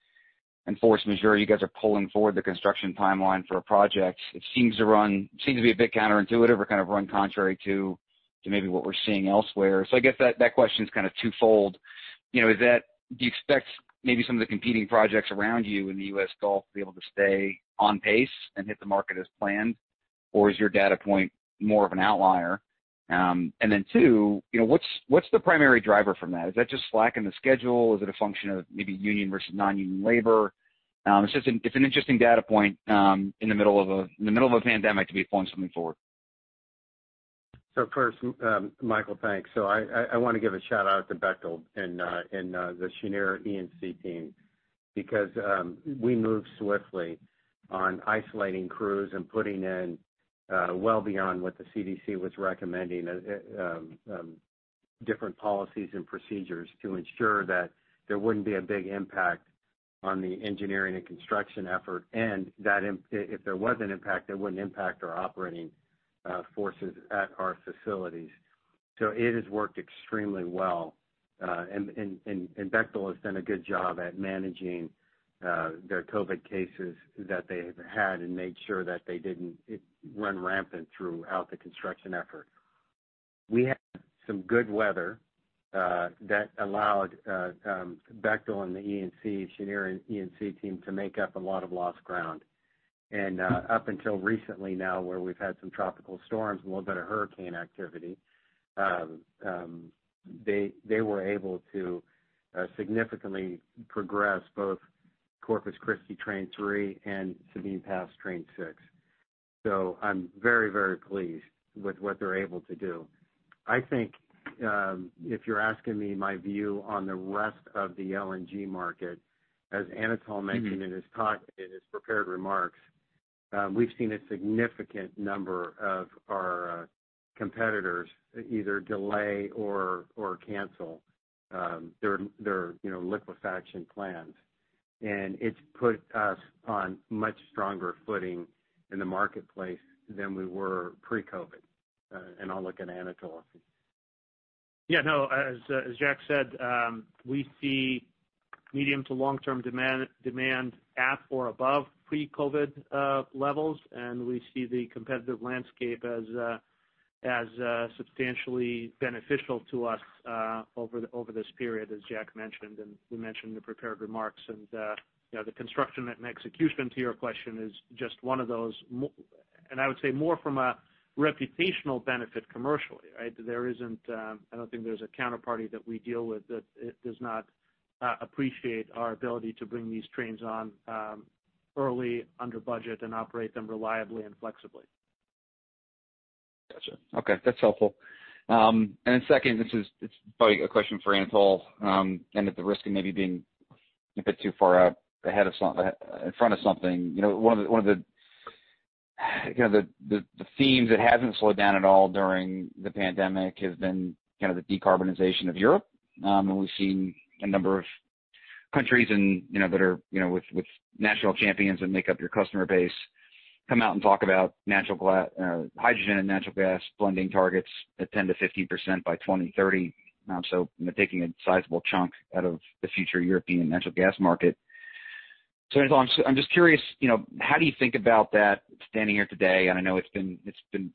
force majeure, you guys are pulling forward the construction timeline for a project, which seems to be a bit counterintuitive or kind of run contrary to maybe what we're seeing elsewhere. I guess that question's kind of twofold. Do you expect maybe some of the competing projects around you in the U.S. Gulf to be able to stay on pace and hit the market as planned? Or is your data point more of an outlier? Two, what's the primary driver from that? Is that just slack in the schedule? Is it a function of maybe union versus non-union labor? It's an interesting data point in the middle of a pandemic to be pulling something forward. First, Michael, thanks. I want to give a shout-out to Bechtel and the Cheniere E&C team because we moved swiftly on isolating crews and putting in well beyond what the CDC was recommending, different policies and procedures to ensure that there wouldn't be a big impact on the engineering and construction effort. That if there was an impact, it wouldn't impact our operating forces at our facilities. It has worked extremely well. Bechtel has done a good job at managing their COVID cases that they've had and made sure that they didn't run rampant throughout the construction effort. We had some good weather that allowed Bechtel and the Cheniere E&C team to make up a lot of lost ground. Up until recently now, where we've had some tropical storms and a little bit of hurricane activity, they were able to significantly progress both Corpus Christi Train 3 and Sabine Pass Train 6. I'm very pleased with what they're able to do. I think, if you're asking me my view on the rest of the LNG market, as Anatol mentioned in his prepared remarks, we've seen a significant number of our competitors either delay or cancel their liquefaction plans. It's put us on much stronger footing in the marketplace than we were pre-COVID. I'll look at Anatol. Yeah. As Jack said, we see medium to long-term demand at or above pre-COVID-19 levels. We see the competitive landscape as substantially beneficial to us over this period, as Jack mentioned, and we mentioned in the prepared remarks. The construction and execution to your question is just one of those. I would say more from a reputational benefit commercially, right? I don't think there's a counterparty that we deal with that does not appreciate our ability to bring these trains on early, under budget, and operate them reliably and flexibly. Got you. Okay. That's helpful. Then second, this is probably a question for Anatol. At the risk of maybe being a bit too far out in front of something. The theme that hasn't slowed down at all during the pandemic has been the decarbonization of Europe. We've seen a number of countries with national champions that make up your customer base come out and talk about natural hydrogen and natural gas blending targets at 10%-15% by 2030. Taking a sizable chunk out of the future European natural gas market. Anatol, I'm just curious, how do you think about that standing here today? I know it's been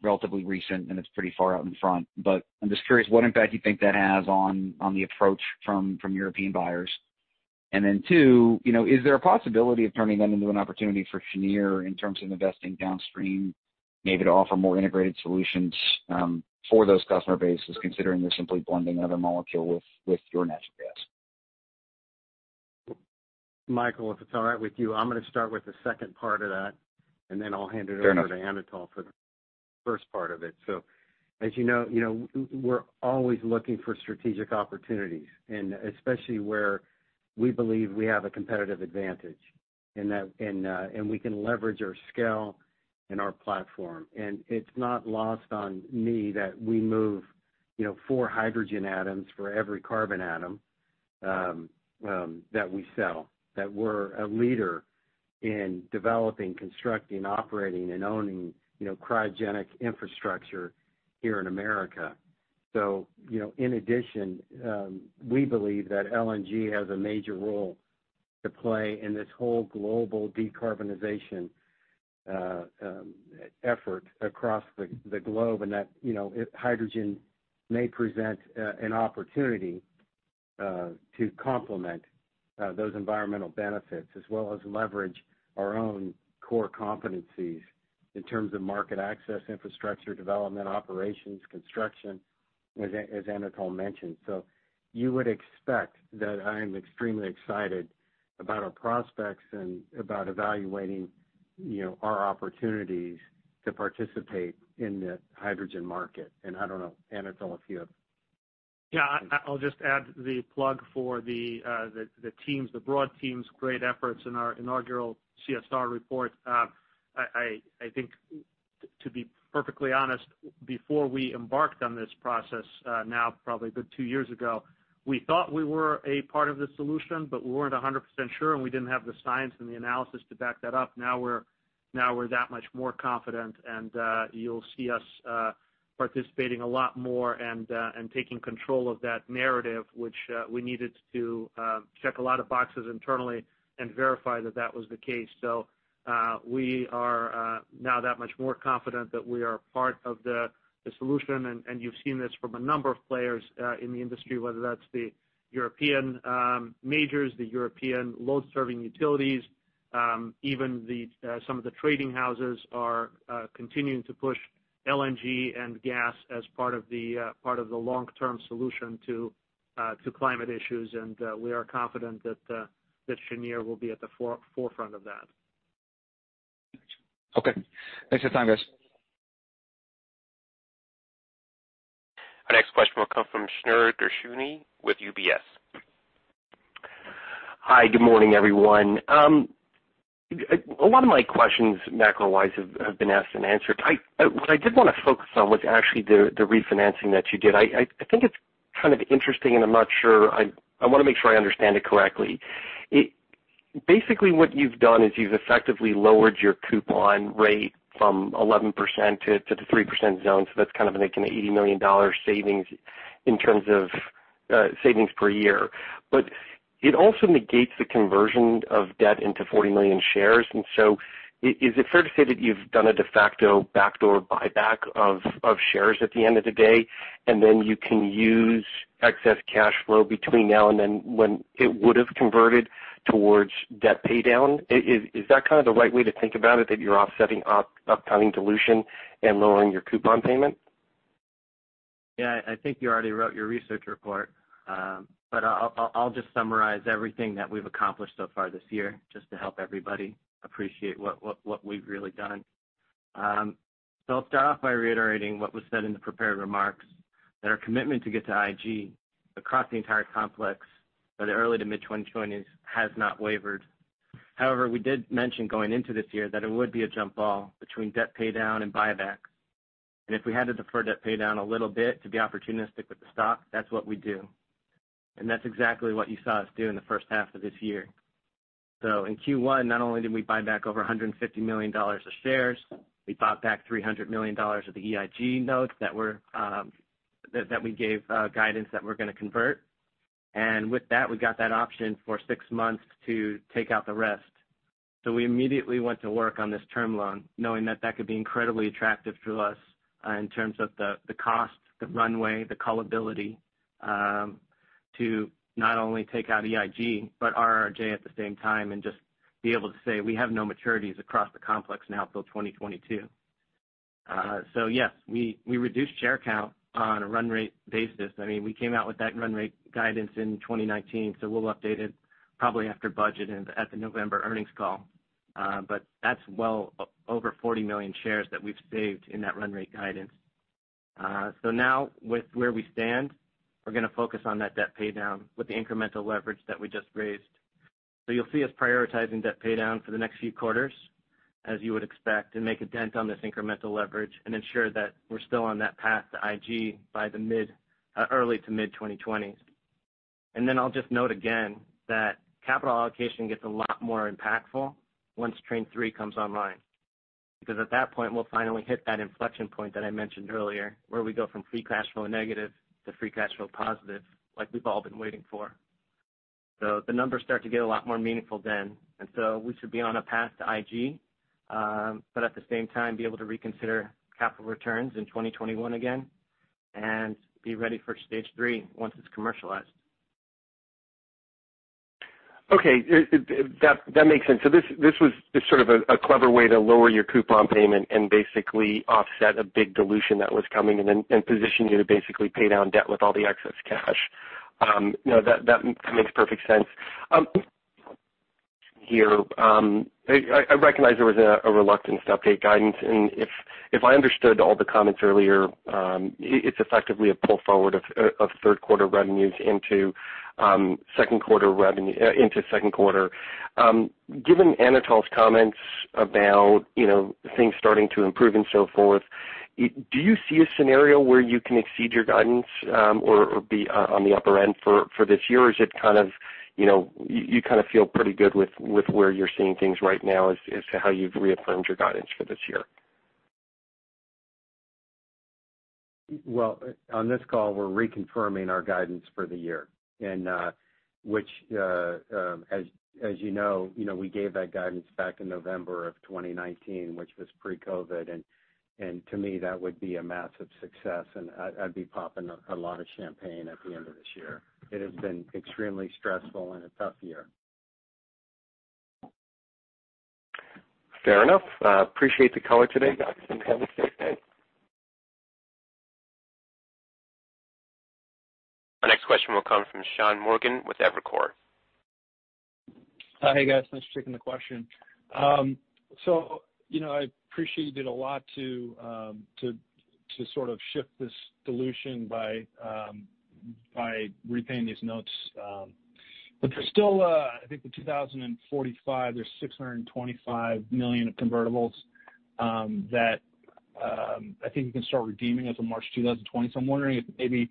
relatively recent, it's pretty far out in front, I'm just curious what impact you think that has on the approach from European buyers. Then two, is there a possibility of turning that into an opportunity for Cheniere in terms of investing downstream, maybe to offer more integrated solutions for those customer bases considering they're simply blending another molecule with your natural gas? Michael, if it's all right with you, I'm going to start with the second part of that, and then I'll hand it over. Fair enough. To Anatol for the first part of it. As you know we're always looking for strategic opportunities, and especially where we believe we have a competitive advantage, and we can leverage our scale and our platform. It's not lost on me that we move four hydrogen atoms for every carbon atom that we sell, that we're a leader in developing, constructing, operating, and owning cryogenic infrastructure here in America. In addition, we believe that LNG has a major role to play in this whole global decarbonization effort across the globe, and that hydrogen may present an opportunity to complement those environmental benefits as well as leverage our own core competencies in terms of market access, infrastructure development, operations, construction, as Anatol mentioned. You would expect that I am extremely excited about our prospects and about evaluating our opportunities to participate in the hydrogen market. I don't know, Anatol, if you have. Yeah, I'll just add the plug for the broad team's great efforts in our inaugural CSR report. I think, to be perfectly honest, before we embarked on this process now probably a good two years ago, we thought we were a part of the solution, but we weren't 100% sure, and we didn't have the science and the analysis to back that up. We're that much more confident, and you'll see us participating a lot more and taking control of that narrative, which we needed to check a lot of boxes internally and verify that that was the case. We are now that much more confident that we are part of the solution, and you've seen this from a number of players in the industry, whether that's the European majors, the European load-serving utilities. Even some of the trading houses are continuing to push LNG and gas as part of the long-term solution to climate issues. We are confident that Cheniere will be at the forefront of that. Okay. Thanks for your time, guys. Our next question will come from Shneur Gershuni with UBS. Hi, good morning, everyone. A lot of my questions, macro-wise, have been asked and answered. What I did want to focus on was actually the refinancing that you did. I think it's kind of interesting, and I want to make sure I understand it correctly. Basically, what you've done is you've effectively lowered your coupon rate from 11% to the 3% zone, so that's an $80 million savings in terms of savings per year. It also negates the conversion of debt into 40 million shares. Is it fair to say that you've done a de facto backdoor buyback of shares at the end of the day, and then you can use excess cash flow between now and then when it would've converted towards debt pay down? Is that the right way to think about it, that you're offsetting upcoming dilution and lowering your coupon payment? Yeah, I think you already wrote your research report. I'll just summarize everything that we've accomplished so far this year just to help everybody appreciate what we've really done. I'll start off by reiterating what was said in the prepared remarks, that our commitment to get to IG across the entire complex by the early to mid 2020s has not wavered. If we had to defer debt pay down a little bit to be opportunistic with the stock, that's what we do. That's exactly what you saw us do in the first half of this year. In Q1, not only did we buy back over $150 million of shares, we bought back $300 million of the EIG notes that we gave guidance that we're going to convert. With that, we got that option for six months to take out the rest. We immediately went to work on this term loan, knowing that that could be incredibly attractive to us in terms of the cost, the runway, the callability to not only take out EIG, but RRJ at the same time and just be able to say we have no maturities across the complex now till 2022. Yes, we reduced share count on a run rate basis. We came out with that run rate guidance in 2019, we'll update it probably after budget and at the November earnings call. That's well over 40 million shares that we've saved in that run rate guidance. Now with where we stand, we're going to focus on that debt pay down with the incremental leverage that we just raised. You'll see us prioritizing debt pay down for the next few quarters, as you would expect, and make a dent on this incremental leverage and ensure that we're still on that path to IG by early to mid 2020s. I'll just note again that capital allocation gets a lot more impactful once Train 3 comes online, because at that point, we'll finally hit that inflection point that I mentioned earlier, where we go from free cash flow negative to free cash flow positive, like we've all been waiting for. The numbers start to get a lot more meaningful then, and so we should be on a path to IG. At the same time, be able to reconsider capital returns in 2021 again and be ready for Stage 3 once it's commercialized. Okay. That makes sense. This was just sort of a clever way to lower your coupon payment and basically offset a big dilution that was coming and then position you to basically pay down debt with all the excess cash. That makes perfect sense. I recognize there was a reluctance to update guidance, and if I understood all the comments earlier, it's effectively a pull forward of third quarter revenues into second quarter. Given Anatol's comments about things starting to improve and so forth, do you see a scenario where you can exceed your guidance, or be on the upper end for this year? You kind of feel pretty good with where you're seeing things right now as to how you've reaffirmed your guidance for this year? Well, on this call, we're reconfirming our guidance for the year, which, as you know, we gave that guidance back in November of 2019, which was pre-COVID. To me, that would be a massive success and I'd be popping a lot of champagne at the end of this year. It has been extremely stressful and a tough year. Fair enough. Appreciate the color today, guys, and have a great day. Our next question will come from Sean Morgan with Evercore. Hi, guys. Thanks for taking the question. I appreciate you did a lot to sort of shift this dilution by repaying these notes. There's still, I think the 2045, there's $625 million of convertibles that I think you can start redeeming as of March 2020. I'm wondering if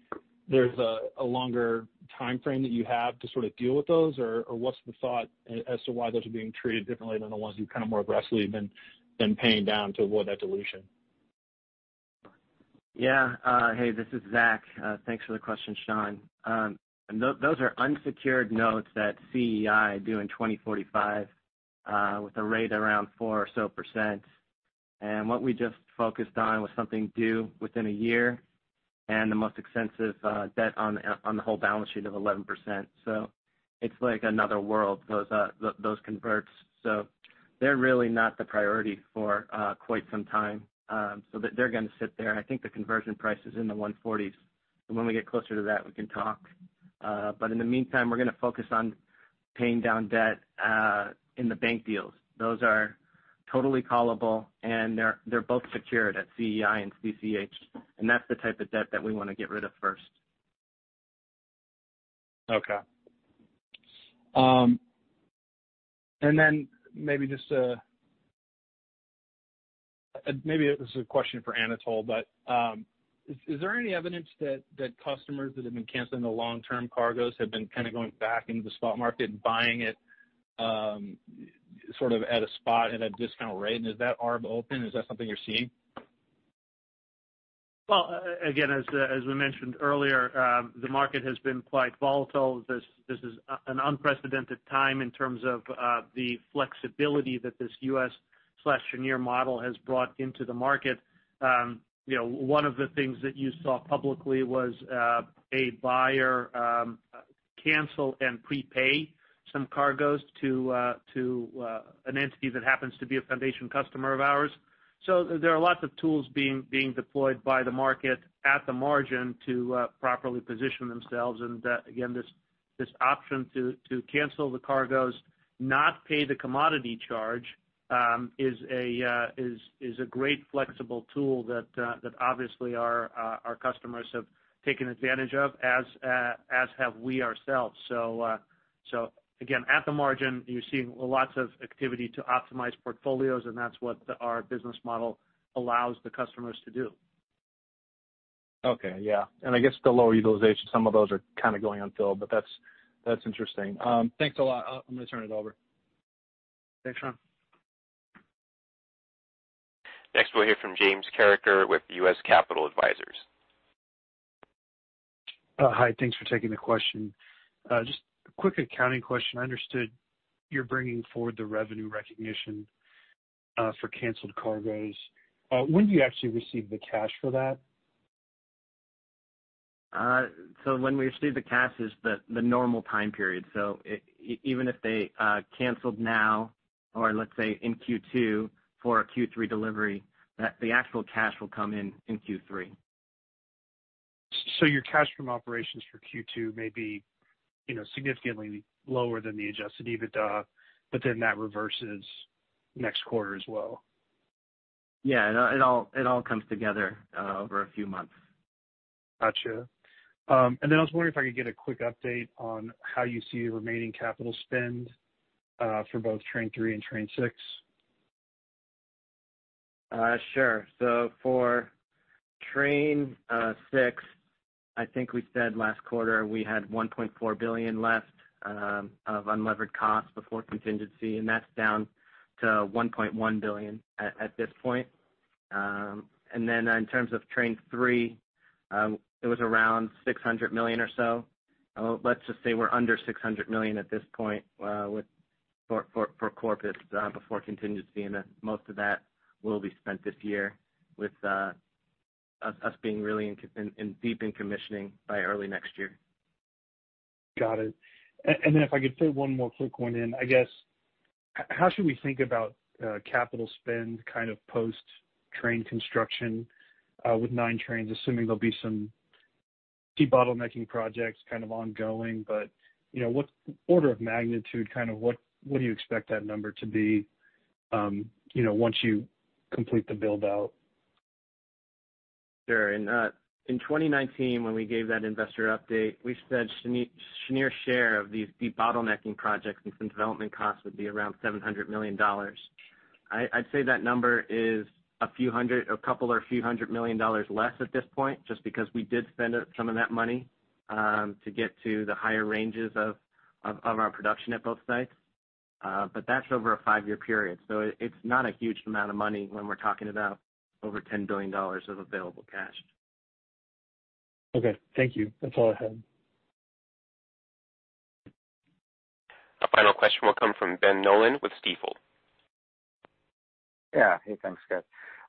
maybe there's a longer timeframe that you have to sort of deal with those, or what's the thought as to why those are being treated differently than the ones you've kind of more aggressively been paying down to avoid that dilution? Yeah. Hey, this is Zach. Thanks for the question, Sean. Those are unsecured notes that CEI due in 2045, with a rate around 4% or so. What we just focused on was something due within a year and the most expensive debt on the whole balance sheet of 11%. It's like another world, those converts. They're really not the priority for quite some time. They're going to sit there. I think the conversion price is in the 140s, and when we get closer to that, we can talk. In the meantime, we're going to focus on paying down debt in the bank deals. Those are totally callable, and they're both secured at CEI and CCH, and that's the type of debt that we want to get rid of first. Okay. Then maybe this is a question for Anatol, but is there any evidence that customers that have been canceling the long-term cargoes have been kind of going back into the spot market and buying it sort of at a spot discount rate? Is that arm open? Is that something you're seeing? Well, again, as we mentioned earlier, the market has been quite volatile. This is an unprecedented time in terms of the flexibility that this U.S./Cheniere model has brought into the market. One of the things that you saw publicly was a buyer cancel and prepay some cargoes to an entity that happens to be a foundation customer of ours. There are lots of tools being deployed by the market at the margin to properly position themselves. Again, this option to cancel the cargoes, not pay the commodity charge, is a great flexible tool that obviously our customers have taken advantage of as have we ourselves. Again, at the margin, you're seeing lots of activity to optimize portfolios, and that's what our business model allows the customers to do. Okay. Yeah. I guess the lower utilization, some of those are kind of going unfilled, but that's interesting. Thanks a lot. I'm going to turn it over. Thanks, Sean. Next, we'll hear from James Carreker with U.S. Capital Advisors. Hi, thanks for taking the question. Just a quick accounting question. I understood you're bringing forward the revenue recognition for canceled cargoes. When do you actually receive the cash for that? When we receive the cash is the normal time period. Even if they canceled now or let's say in Q2 for a Q3 delivery, the actual cash will come in in Q3. Your cash from operations for Q2 may be significantly lower than the adjusted EBITDA, that reverses next quarter as well. Yeah. It all comes together over a few months. Got you. I was wondering if I could get a quick update on how you see remaining capital spend for both Train 3 and Train 6? Sure. For Train 6, I think we said last quarter we had $1.4 billion left of unlevered costs before contingency, and that's down to $1.1 billion at this point. In terms of Train 3, it was around $600 million or so. Let's just say we're under $600 million at this point for Corpus before contingency. Most of that will be spent this year with us being really deep in commissioning by early next year. Got it. If I could fit one more quick one in. I guess, how should we think about capital spend post-train construction with 9 trains, assuming there'll be some key bottlenecking projects ongoing, but what order of magnitude, what do you expect that number to be once you complete the build-out? Sure. In 2019, when we gave that investor update, we said Cheniere share of these de-bottlenecking projects and some development costs would be around $700 million. I'd say that number is a couple or a few hundred million dollars less at this point, just because we did spend some of that money to get to the higher ranges of our production at both sites. That's over a five-year period, so it's not a huge amount of money when we're talking about over $10 billion of available cash. Okay. Thank you. That is all I had. Our final question will come from Ben Nolan with Stifel. Yeah. Hey, thanks, Scott.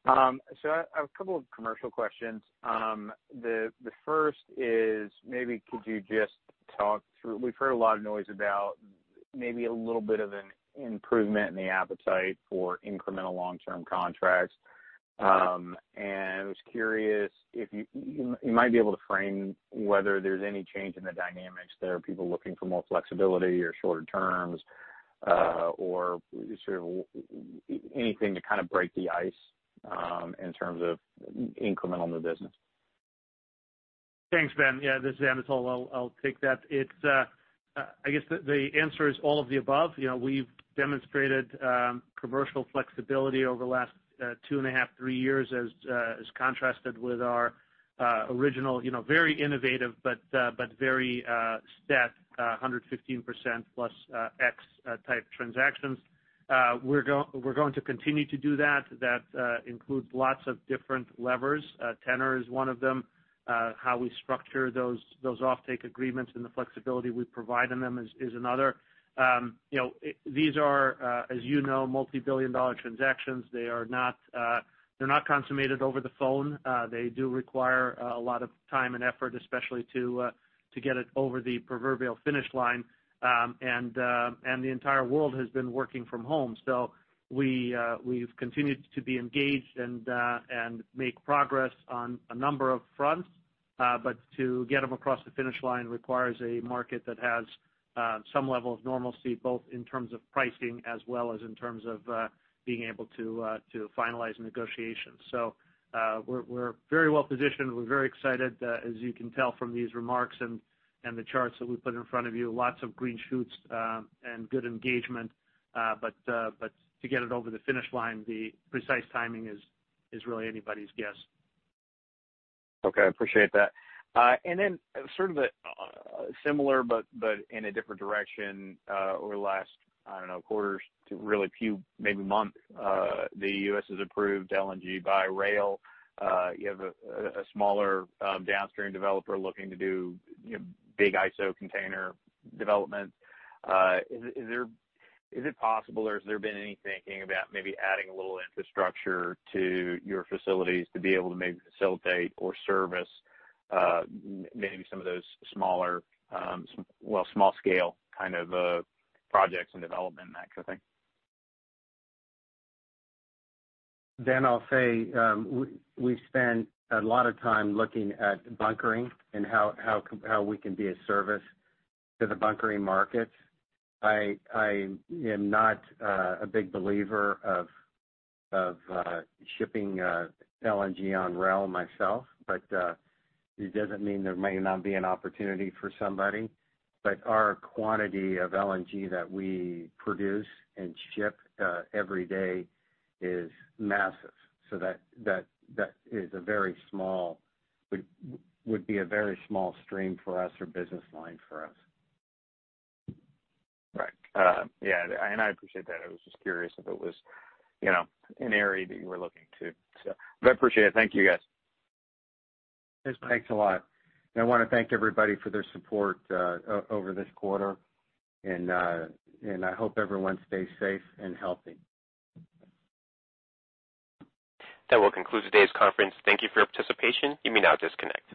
I have a couple of commercial questions. The first is, maybe could you just talk through, we've heard a lot of noise about maybe a little bit of an improvement in the appetite for incremental long-term contracts. Yeah. I was curious if you might be able to frame whether there's any change in the dynamics there, people looking for more flexibility or shorter terms, or anything to break the ice in terms of incremental new business. Thanks, Ben. Yeah, this is Anatol. I'll take that. I guess the answer is all of the above. We've demonstrated commercial flexibility over the last two and a half, three years as contrasted with our original very innovative but very set 115% plus X-type transactions. We're going to continue to do that. That includes lots of different levers. Tenor is one of them. How we structure those offtake agreements and the flexibility we provide in them is another. These are, as you know, multi-billion-dollar transactions. They're not consummated over the phone. They do require a lot of time and effort, especially to get it over the proverbial finish line. The entire world has been working from home. We've continued to be engaged and make progress on a number of fronts. To get them across the finish line requires a market that has some level of normalcy, both in terms of pricing as well as in terms of being able to finalize negotiations. We're very well-positioned. We're very excited, as you can tell from these remarks and the charts that we put in front of you. Lots of green shoots and good engagement. To get it over the finish line, the precise timing is really anybody's guess. Okay. Appreciate that. Sort of similar but in a different direction. Over the last, I don't know, quarters to really few, maybe month, the U.S. has approved LNG by rail. You have a smaller downstream developer looking to do big ISO container development. Is it possible, or has there been any thinking about maybe adding a little infrastructure to your facilities to be able to maybe facilitate or service maybe some of those smaller, well, small-scale kind of projects and development and that kind of thing? Ben, I'll say we spend a lot of time looking at bunkering and how we can be a service to the bunkering market. I am not a big believer of shipping LNG on rail myself, it doesn't mean there may not be an opportunity for somebody. Our quantity of LNG that we produce and ship every day is massive. That would be a very small stream for us or business line for us. Right. Yeah. I appreciate that. I was just curious if it was an area that you were looking to. I appreciate it. Thank you, guys. Thanks a lot. I want to thank everybody for their support over this quarter, and I hope everyone stays safe and healthy. That will conclude today's conference. Thank you for your participation. You may now disconnect.